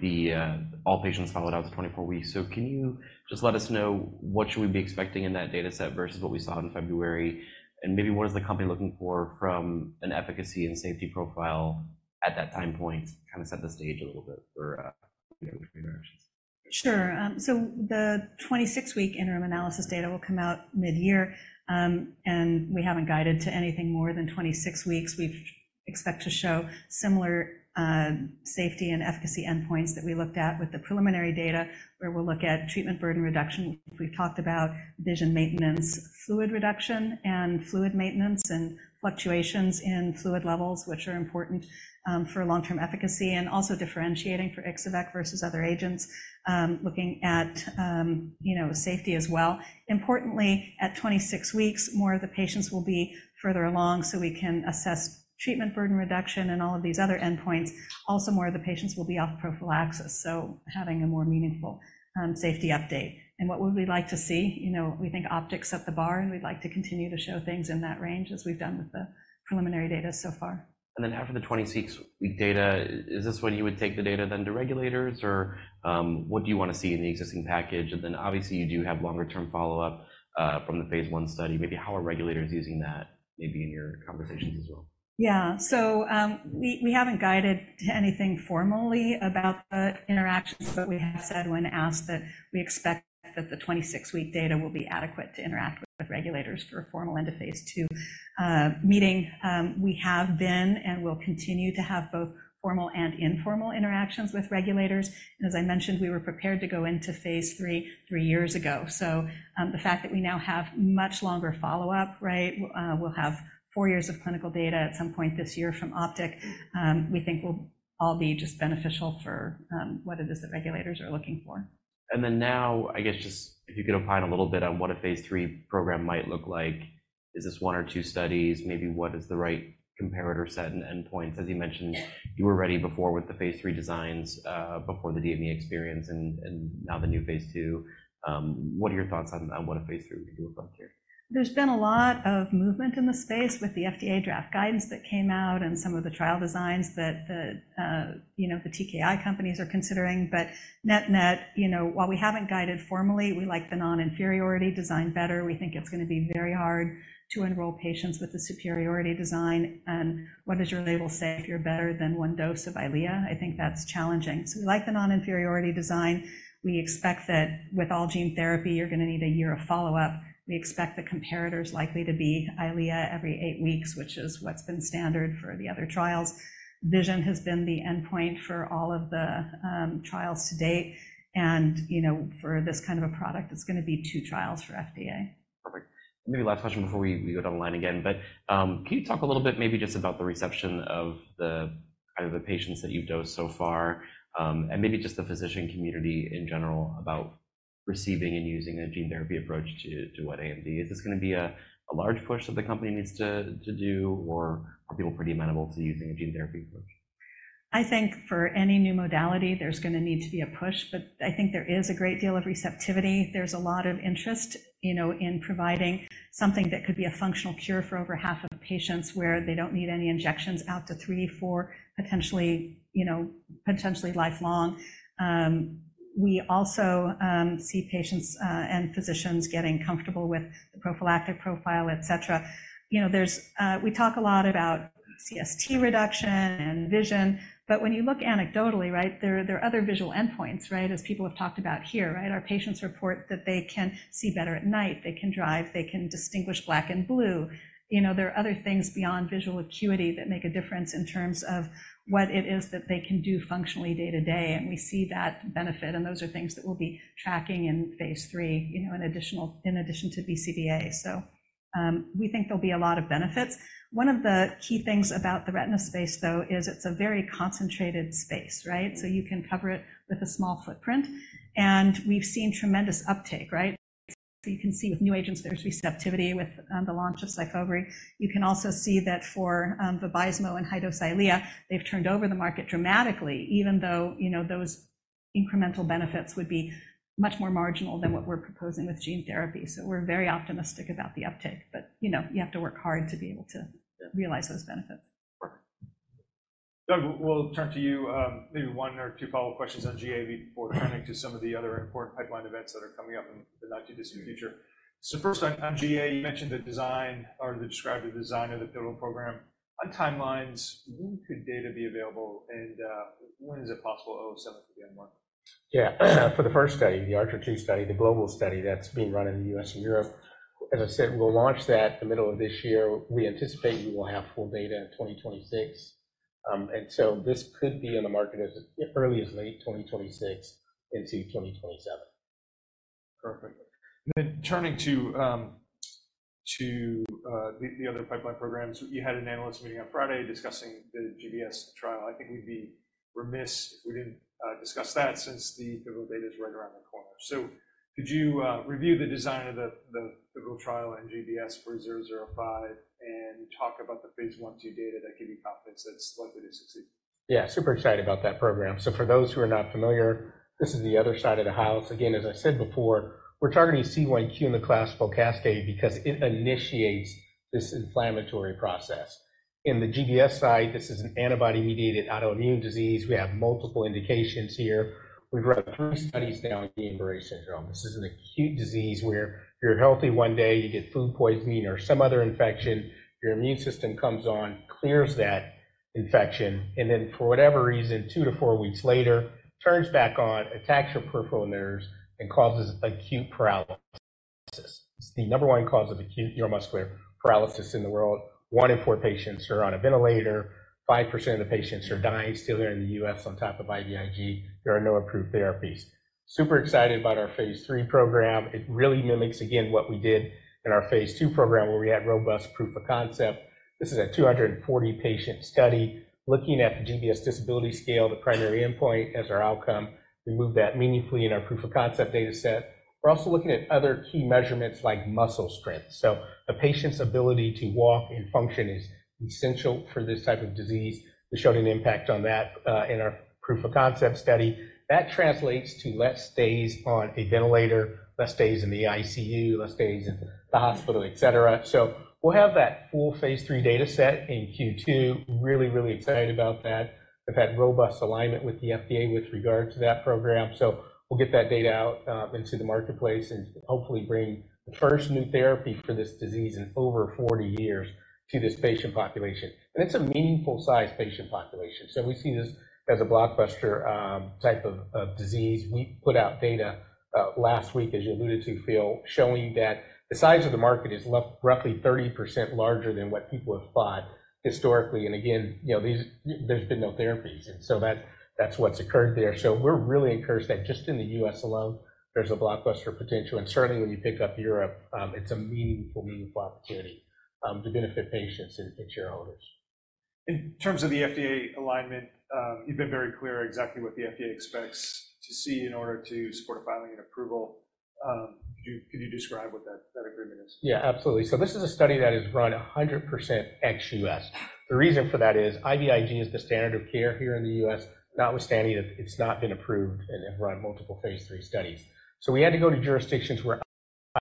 all patients followed out to 24 weeks. So can you just let us know what should we be expecting in that data set versus what we saw in February? And maybe what is the company looking for from an efficacy and safety profile at that time point? Kind of set the stage a little bit for the interactions. Sure. So the 26-week interim analysis data will come out mid-year, and we haven't guided to anything more than 26 weeks. We expect to show similar safety and efficacy endpoints that we looked at with the preliminary data, where we'll look at treatment burden reduction. We've talked about vision maintenance, fluid reduction, and fluid maintenance, and fluctuations in fluid levels, which are important for long-term efficacy, and also differentiating for Ixo-vec versus other agents, looking at, you know, safety as well. Importantly, at 26 weeks, more of the patients will be further along, so we can assess treatment burden reduction and all of these other endpoints. Also, more of the patients will be off prophylaxis, so having a more meaningful safety update. And what would we like to see? You know, we think OPTIC set the bar, and we'd like to continue to show things in that range as we've done with the preliminary data so far. After the 26-week data, is this when you would take the data then to regulators, or what do you want to see in the existing package? Obviously, you do have longer-term follow-up from the phase I study. Maybe how are regulators using that, maybe in your conversations as well? Yeah. We haven't guided to anything formally about the interactions, but we have said when asked that we expect that the 26-week data will be adequate to interact with regulators for a formal end of phase II meeting. We have been and will continue to have both formal and informal interactions with regulators. As I mentioned, we were prepared to go into phase III three years ago. The fact that we now have much longer follow-up, right? We'll have four years of clinical data at some point this year from OPTIC. We think will all be just beneficial for what it is that regulators are looking for. Then now, I guess, just if you could opine a little bit on what a phase III program might look like. Is this one or two studies? Maybe what is the right comparator set and endpoints? As you mentioned, you were ready before with the phase III designs, before the DME experience and now the new phase II. What are your thoughts on what a phase III could look like here? There's been a lot of movement in the space with the FDA draft guidance that came out and some of the trial designs that the, you know, the TKI companies are considering. But net-net, you know, while we haven't guided formally, we like the non-inferiority design better. We think it's going to be very hard to enroll patients with the superiority design. And what does your label say if you're better than one dose of Eylea? I think that's challenging. So we like the non-inferiority design. We expect that with all gene therapy, you're going to need a year of follow-up. We expect the comparator is likely to be Eylea every eight weeks, which is what's been standard for the other trials. Vision has been the endpoint for all of the trials to date, and, you know, for this kind of a product, it's going to be two trials for FDA. Perfect. Maybe last question before we go to the line again, but can you talk a little bit maybe just about the reception of the kind of the patients that you've dosed so far, and maybe just the physician community in general about receiving and using a gene therapy approach to Wet AMD? Is this going to be a large push that the company needs to do, or are people pretty amenable to using a gene therapy approach? I think for any new modality, there's going to need to be a push, but I think there is a great deal of receptivity. There's a lot of interest, you know, in providing something that could be a functional cure for over half of the patients, where they don't need any injections out to three, four, potentially, you know, potentially lifelong. We also see patients and physicians getting comfortable with the prophylactic profile, et cetera. You know, there's, we talk a lot about CST reduction and vision, but when you look anecdotally, right, there, there are other visual endpoints, right? As people have talked about here, right? Our patients report that they can see better at night, they can drive, they can distinguish black and blue. You know, there are other things beyond visual acuity that make a difference in terms of what it is that they can do functionally day to day, and we see that benefit, and those are things that we'll be tracking in phase III, you know, in addition to BCVA. So, we think there'll be a lot of benefits. One of the key things about the retina space, though, is it's a very concentrated space, right? So you can cover it with a small footprint, and we've seen tremendous uptake, right? So you can see with new agents, there's receptivity with the launch of Syfovre. You can also see that for Vabysmo and high-dose Eylea, they've turned over the market dramatically, even though, you know, those incremental benefits would be much more marginal than what we're proposing with gene therapy. We're very optimistic about the uptake, but, you know, you have to work hard to be able to realize those benefits. Sure. Doug, we'll turn to you, maybe one or two follow-up questions on GA before turning to some of the other important pipeline events that are coming up in the not-too-distant future. So first, on GA, you mentioned the design or described the design of the pivotal program. On timelines, when could data be available, and when is it possible, so for the EOP2? Yeah. For the first study, the ARCHER 2 study, the global study that's being run in the U.S. and Europe, as I said, we'll launch that the middle of this year. We anticipate we will have full data in 2026. And so this could be in the market as early as late 2026 into 2027. Perfect. And then turning to the other pipeline programs, you had an analyst meeting on Friday discussing the GBS trial. I think we'd be remiss if we didn't discuss that since the pivotal data is right around the corner. So could you review the design of the pivotal trial on GBS for zero zero five and talk about the phase I, two data that give you confidence it's likely to succeed? Yeah, super excited about that program. So for those who are not familiar, this is the other side of the house. Again, as I said before, we're targeting C1q in the classical cascade because it initiates this inflammatory process. In the GBS side, this is an antibody-mediated autoimmune disease. We have multiple indications here. We've run three studies now on Guillain-Barré syndrome. This is an acute disease where you're healthy one day, you get food poisoning or some other infection, your immune system comes on, clears that infection, and then, for whatever reason, two to four weeks later, turns back on, attacks your peripheral nerves, and causes acute paralysis. It's the number one cause of acute neuromuscular paralysis in the world. One in four patients are on a ventilator, 5% of the patients are dying still here in the U.S. on top of IVIG. There are no approved therapies. Super excited about our phase III program. It really mimics, again, what we did in our phase II program, where we had robust proof of concept. This is a 240-patient study looking at the GBS Disability Scale, the primary endpoint, as our outcome. We moved that meaningfully in our proof of concept data set. We're also looking at other key measurements like muscle strength. So the patient's ability to walk and function is essential for this type of disease. We showed an impact on that in our proof of concept study. That translates to less days on a ventilator, less days in the ICU, less days in the hospital, et cetera. So we'll have that full phase III data set in Q2. Really, really excited about that. We've had robust alignment with the FDA with regard to that program. So we'll get that data out into the marketplace and hopefully bring the first new therapy for this disease in over 40 years to this patient population. And it's a meaningful size patient population. So we see this as a blockbuster type of disease. We put out data last week, as you alluded to, Phil, showing that the size of the market is roughly 30% larger than what people have thought historically. And again, you know, there's, there's been no therapies, and so that, that's what's occurred there. So we're really encouraged that just in the U.S. alone, there's a blockbuster potential, and certainly when you pick up Europe, it's a meaningful, meaningful opportunity to benefit patients and shareholders. In terms of the FDA alignment, you've been very clear exactly what the FDA expects to see in order to support a filing and approval. Could you describe what that agreement is? Yeah, absolutely. So this is a study that is run 100% ex-U.S. The reason for that is IVIG is the standard of care here in the U.S., notwithstanding that it's not been approved and have run multiple phase III studies. So we had to go to jurisdictions where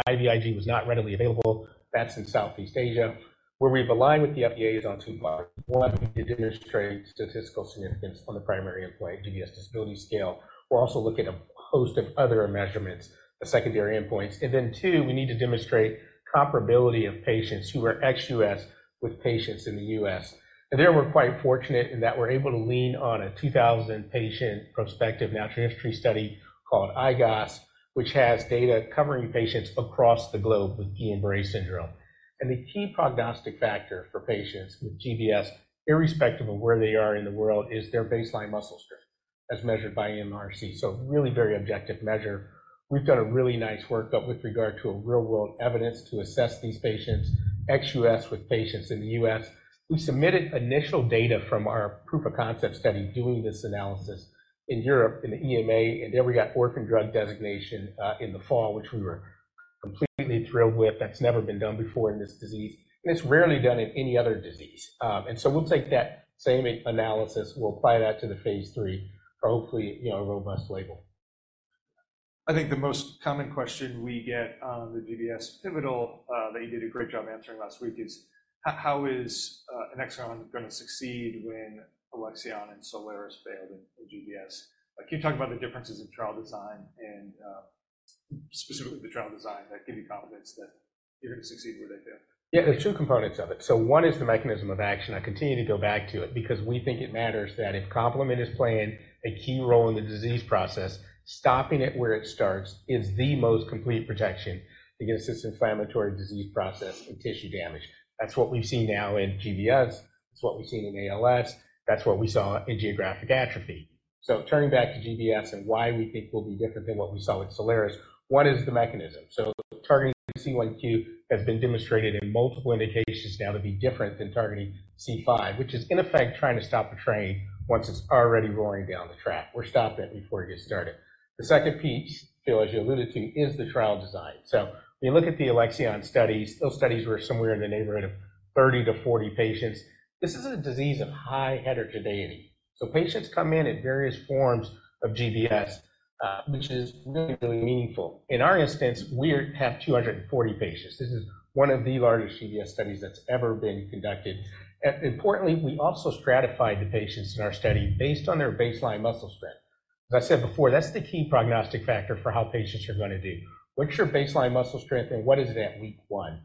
IVIG was not readily available. That's in Southeast Asia, where we've aligned with the FDA is on two parts. One, we need to demonstrate statistical significance on the primary endpoint, GBS Disability Scale. We're also looking at a host of other measurements, the secondary endpoints. And then two, we need to demonstrate comparability of patients who are ex-U.S. with patients in the U.S. And there we're quite fortunate in that we're able to lean on a 2,000 patient prospective natural history study called IGOS, which has data covering patients across the globe with Guillain-Barré syndrome. The key prognostic factor for patients with GBS, irrespective of where they are in the world, is their baseline muscle strength, as measured by MRC. So really very objective measure. We've got a really nice workup with regard to a real-world evidence to assess these patients, ex-U.S. with patients in the U.S. We submitted initial data from our proof of concept study doing this analysis in Europe, in the EMA, and there we got orphan drug designation in the fall, which we were completely thrilled with. That's never been done before in this disease, and it's rarely done in any other disease. And so we'll take that same analysis. We'll apply that to the phase III for hopefully, you know, a robust label.... I think the most common question we get on the GBS pivotal, that you did a great job answering last week, is how is Alexion going to succeed when Alexion and Soliris failed in GBS? Can you talk about the differences in trial design and, specifically the trial design that give you confidence that you're going to succeed where they failed? Yeah, there are two components of it. So one is the mechanism of action. I continue to go back to it because we think it matters that if complement is playing a key role in the disease process, stopping it where it starts is the most complete protection against this inflammatory disease process and tissue damage. That's what we've seen now in GBS, that's what we've seen in ALS, that's what we saw in Geographic Atrophy. So turning back to GBS and why we think we'll be different than what we saw with Soliris, one is the mechanism. So targeting C1q has been demonstrated in multiple indications now to be different than targeting C5, which is, in effect, trying to stop a train once it's already roaring down the track. We're stopping it before it gets started. The second piece, Phil, as you alluded to, is the trial design. So when you look at the Alexion studies, those studies were somewhere in the neighborhood of 30-40 patients. This is a disease of high heterogeneity, so patients come in at various forms of GBS, which is really, really meaningful. In our instance, we have 240 patients. This is one of the largest GBS studies that's ever been conducted. And importantly, we also stratified the patients in our study based on their baseline muscle strength. As I said before, that's the key prognostic factor for how patients are going to do. What's your baseline muscle strength, and what is it at week one?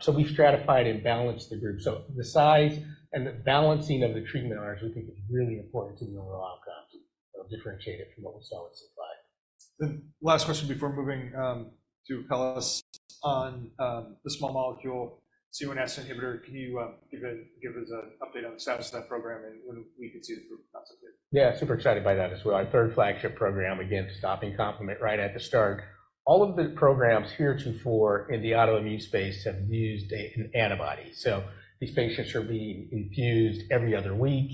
So we've stratified and balanced the group. So the size and the balancing of the treatment arms, we think is really important to the overall outcomes. It'll differentiate it from what we saw with Soliris. The last question before moving to Apellis on the small molecule, so C1s inhibitor. Can you give us an update on the status of that program and when we can see the proof of concept there? Yeah, super excited by that as well. Our third flagship program, again, stopping complement right at the start. All of the programs heretofore in the autoimmune space have used an antibody, so these patients are being infused every other week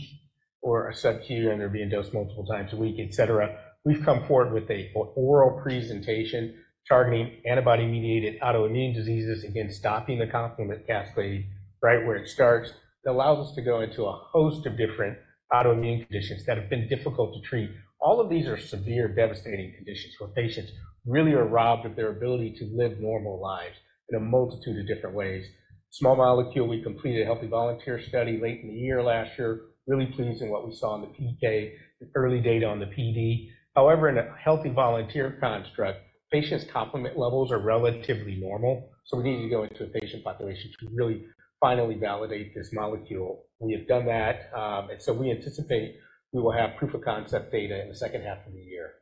or a subQ, and they're being dosed multiple times a week, etc. We've come forward with an oral small molecule targeting antibody-mediated autoimmune diseases, again, stopping the complement cascade right where it starts. That allows us to go into a host of different autoimmune conditions that have been difficult to treat. All of these are severe, devastating conditions, where patients really are robbed of their ability to live normal lives in a multitude of different ways. Small molecule, we completed a healthy volunteer study late in the year, last year. Really pleasing what we saw in the PK, the early data on the PD. However, in a healthy volunteer construct, patients' complement levels are relatively normal, so we need to go into a patient population to really finally validate this molecule. We have done that, and so we anticipate we will have proof-of-concept data in the second half of the year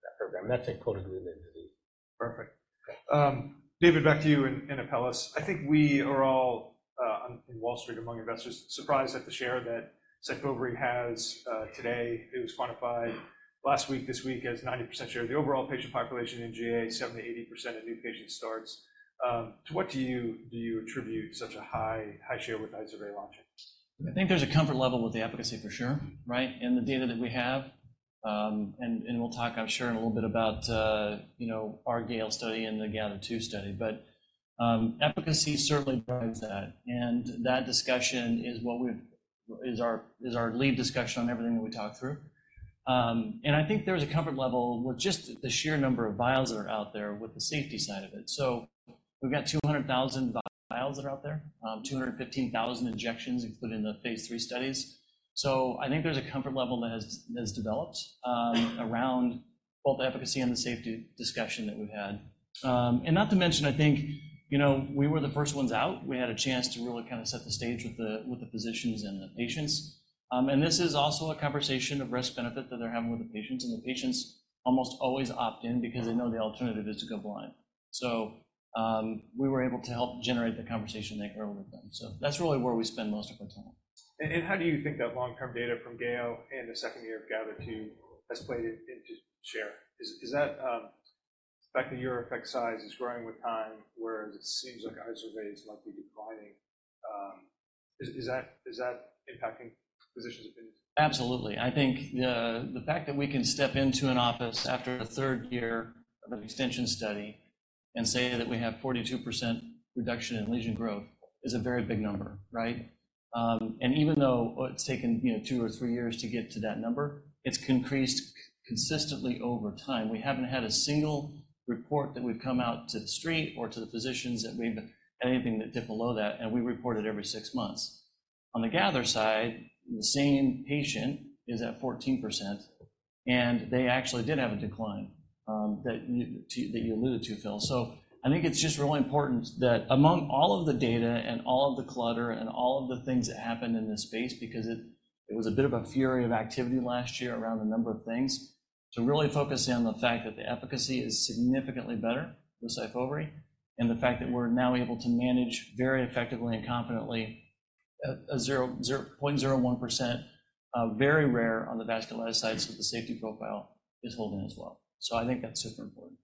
for that program. That's. Perfect. David, back to you and, and Apellis. I think we are all on Wall Street among investors surprised at the share that Syfovre has today. It was quantified last week, this week, as 90% share of the overall patient population in GA, 70%-80% of new patient starts. To what do you, do you attribute such a high, high share with Syfovre launching? I think there's a comfort level with the efficacy, for sure, right, in the data that we have. And we'll talk, I'm sure, in a little bit about, you know, our GALE study and the GATHER2 study. But efficacy certainly drives that, and that discussion is what we've... Is our, is our lead discussion on everything that we talk through. And I think there's a comfort level with just the sheer number of vials that are out there with the safety side of it. So we've got 200,000 vials that are out there, 215,000 injections, including the phase III studies. So I think there's a comfort level that has, has developed, around both the efficacy and the safety discussion that we've had. And not to mention, I think, you know, we were the first ones out. We had a chance to really kind of set the stage with the, with the physicians and the patients. And this is also a conversation of risk-benefit that they're having with the patients, and the patients almost always opt in because they know the alternative is to go blind. So, we were able to help generate the conversation there early with them. So that's really where we spend most of our time. How do you think that long-term data from GALE and the second year of GATHER2 has played into share? Is that the fact that your effect size is growing with time, whereas it seems like Izervay is likely declining, is that impacting physicians' opinions? Absolutely. I think the fact that we can step into an office after a third year of an extension study and say that we have 42% reduction in lesion growth is a very big number, right? And even though it's taken, you know, two or three years to get to that number, it's increased consistently over time. We haven't had a single report that we've come out to the street or to the physicians that we've anything that dip below that, and we report it every six months. On the Gather side, the same patient is at 14%, and they actually did have a decline that you alluded to, Phil. So I think it's just really important that among all of the data and all of the clutter and all of the things that happened in this space, because it was a bit of a fury of activity last year around a number of things, to really focus in on the fact that the efficacy is significantly better with Syfovre, and the fact that we're now able to manage very effectively and confidently a 0.01%, very rare on the vasculitis side, so the safety profile is holding as well. So I think that's super important.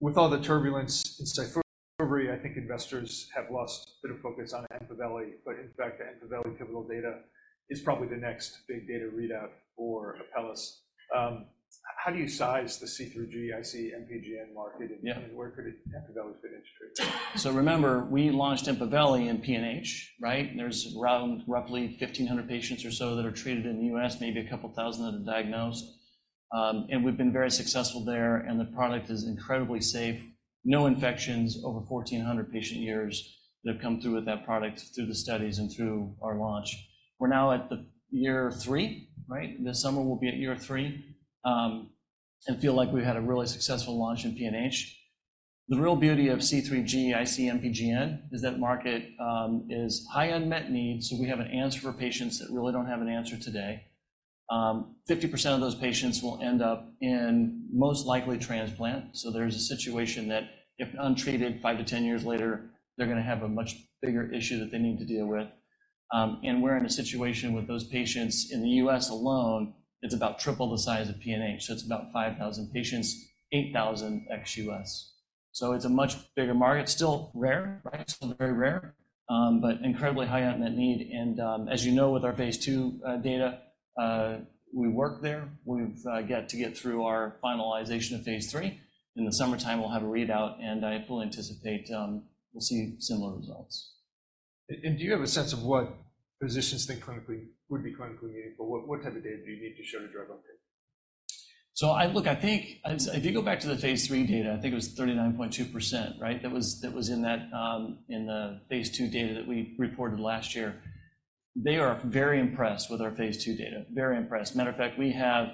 With all the turbulence in Syfovre, I think investors have lost a bit of focus on Empaveli, but in fact, the Empaveli pivotal data is probably the next big data readout for Apellis. How do you size the C3G, IC-MPGN market- Yeah. Where could Empaveli fit into it? So remember, we launched Empaveli in PNH, right? There's around roughly 1,500 patients or so that are treated in the U.S., maybe a couple thousand that are diagnosed. We've been very successful there, and the product is incredibly safe. No infections over 1,400 patient years that have come through with that product, through the studies and through our launch. We're now at year 3, right? This summer, we'll be at year 3, and feel like we've had a really successful launch in PNH. The real beauty of C3G IC-MPGN is that market is high unmet need, so we have an answer for patients that really don't have an answer today. 50% of those patients will end up in most likely transplant, so there's a situation that if untreated, 5-10 years later, they're gonna have a much bigger issue that they need to deal with. And we're in a situation with those patients in the U.S. alone, it's about triple the size of PNH, so it's about 5,000 patients, 8,000 ex-U.S. So it's a much bigger market, still rare, right? Still very rare, but incredibly high unmet need, and, as you know, with our phase II data, we work there. We've yet to get through our finalization of phase III. In the summertime, we'll have a readout, and I fully anticipate we'll see similar results. Do you have a sense of what physicians think clinically would be clinically meaningful? What type of data do you need to show the drug update? So I look, I think as if you go back to the phase III data, I think it was 39.2%, right? That was, that was in that, in the phase II data that we reported last year. They are very impressed with our phase II data. Very impressed. Matter of fact, we have,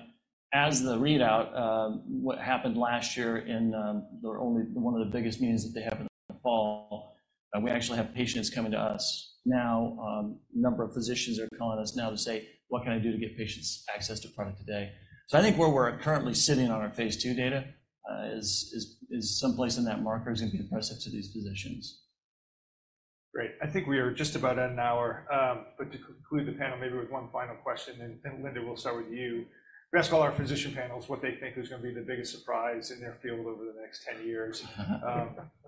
as the readout, what happened last year in, the only one of the biggest meetings that they have in the fall, and we actually have patients coming to us now, a number of physicians are calling us now to say, "What can I do to get patients access to product today?" So I think where we're currently sitting on our phase II data, is someplace in that marker is going to be impressive to these physicians. Great. I think we are just about at an hour, but to conclude the panel, maybe with one final question, and, and Linda, we'll start with you. We ask all our physician panels what they think is going to be the biggest surprise in their field over the next ten years.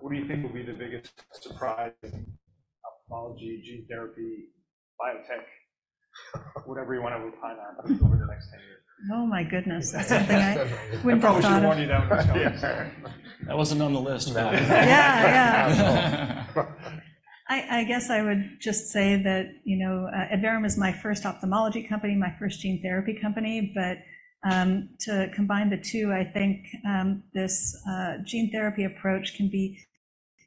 What do you think will be the biggest surprise in ophthalmology, gene therapy, biotech, whatever you want to opine on over the next ten years? Oh, my goodness. That's something I wouldn't have thought of. I probably should have warned you that was coming. That wasn't on the list. Yeah. Yeah. I guess I would just say that, you know, Adverum is my first ophthalmology company, my first gene therapy company, but to combine the two, I think this gene therapy approach can be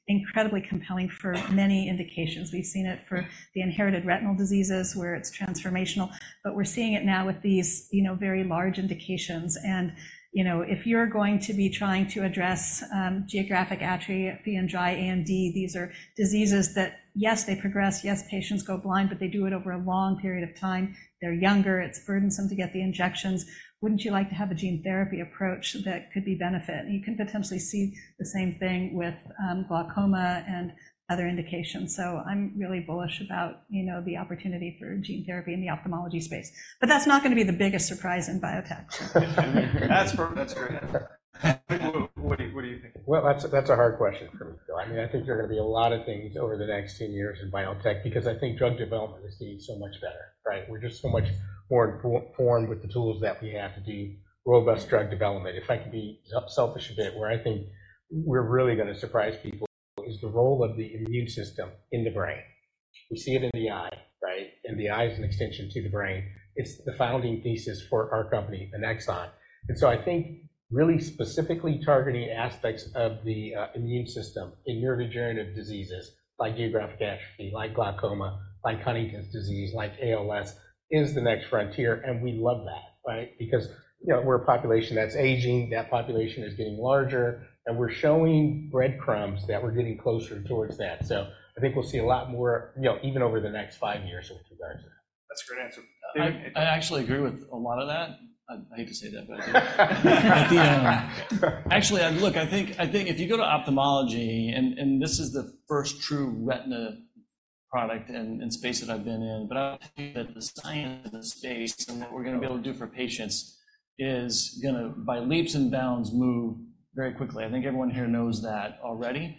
incredibly compelling for many indications. We've seen it for the inherited retinal diseases, where it's transformational, but we're seeing it now with these, you know, very large indications and, you know, if you're going to be trying to address geographic atrophy and dry AMD, these are diseases that, yes, they progress, yes, patients go blind, but they do it over a long period of time. They're younger, it's burdensome to get the injections. Wouldn't you like to have a gene therapy approach that could be benefit? You can potentially see the same thing with glaucoma and other indications. I'm really bullish about, you know, the opportunity for gene therapy in the ophthalmology space. That's not going to be the biggest surprise in biotech. That's fair. That's great. What, what do you think? Well, that's, that's a hard question for me. I mean, I think there are going to be a lot of things over the next 10 years in biotech because I think drug development is getting so much better, right? We're just so much more informed with the tools that we have to do robust drug development. If I could be selfish a bit, where I think we're really going to surprise people is the role of the immune system in the brain. We see it in the eye, right? And the eye is an extension to the brain. It's the founding thesis for our company, Annexon. And so I think really specifically targeting aspects of the immune system in neurodegenerative diseases like Geographic Atrophy, like glaucoma, like Huntington's disease, like ALS, is the next frontier, and we love that, right? Because, you know, we're a population that's aging, that population is getting larger, and we're showing breadcrumbs that we're getting closer towards that. So I think we'll see a lot more, you know, even over the next five years with regards to that. That's a great answer. I actually agree with a lot of that. I hate to say that, but I do. Actually, I look, I think if you go to ophthalmology, and this is the first true retina product and space that I've been in, but I think that the science of the space and what we're going to be able to do for patients is gonna, by leaps and bounds, move very quickly. I think everyone here knows that already.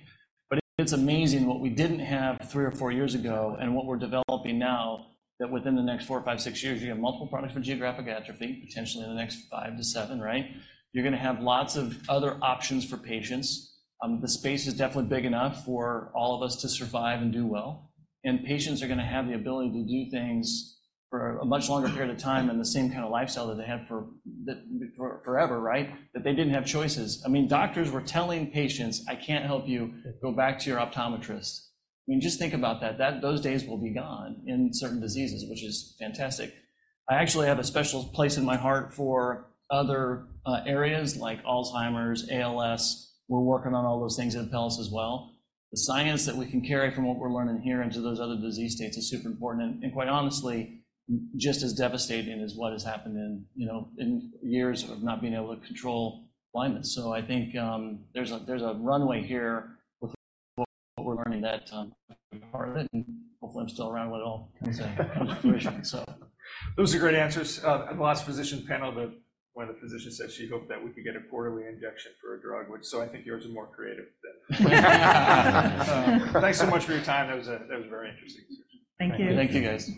But it's amazing what we didn't have three or four years ago and what we're developing now, that within the next four, five, six years, you have multiple products for Geographic Atrophy, potentially in the next five to seven, right? You're gonna have lots of other options for patients. The space is definitely big enough for all of us to survive and do well, and patients are gonna have the ability to do things for a much longer period of time than the same lifestyle that they had for forever, right? That they didn't have choices. I mean, doctors were telling patients, "I can't help you. Go back to your optometrist." I mean, just think about that, that those days will be gone in certain diseases, which is fantastic. I actually have a special place in my heart for other areas like Alzheimer's, ALS. We're working on all those things at Apellis as well. The science that we can carry from what we're learning here into those other disease states is super important and quite honestly, just as devastating as what has happened in, you know, in years of not being able to control blindness. So I think, there's a runway here with what we're learning that, part of it, and hopefully, I'm still around when it all comes to fruition, so. Those are great answers. The last physician panel, one of the physicians said she hoped that we could get a quarterly injection for a drug, which so I think yours is more creative than that. Thanks so much for your time. That was, that was very interesting. Thank you. Thank you, guys.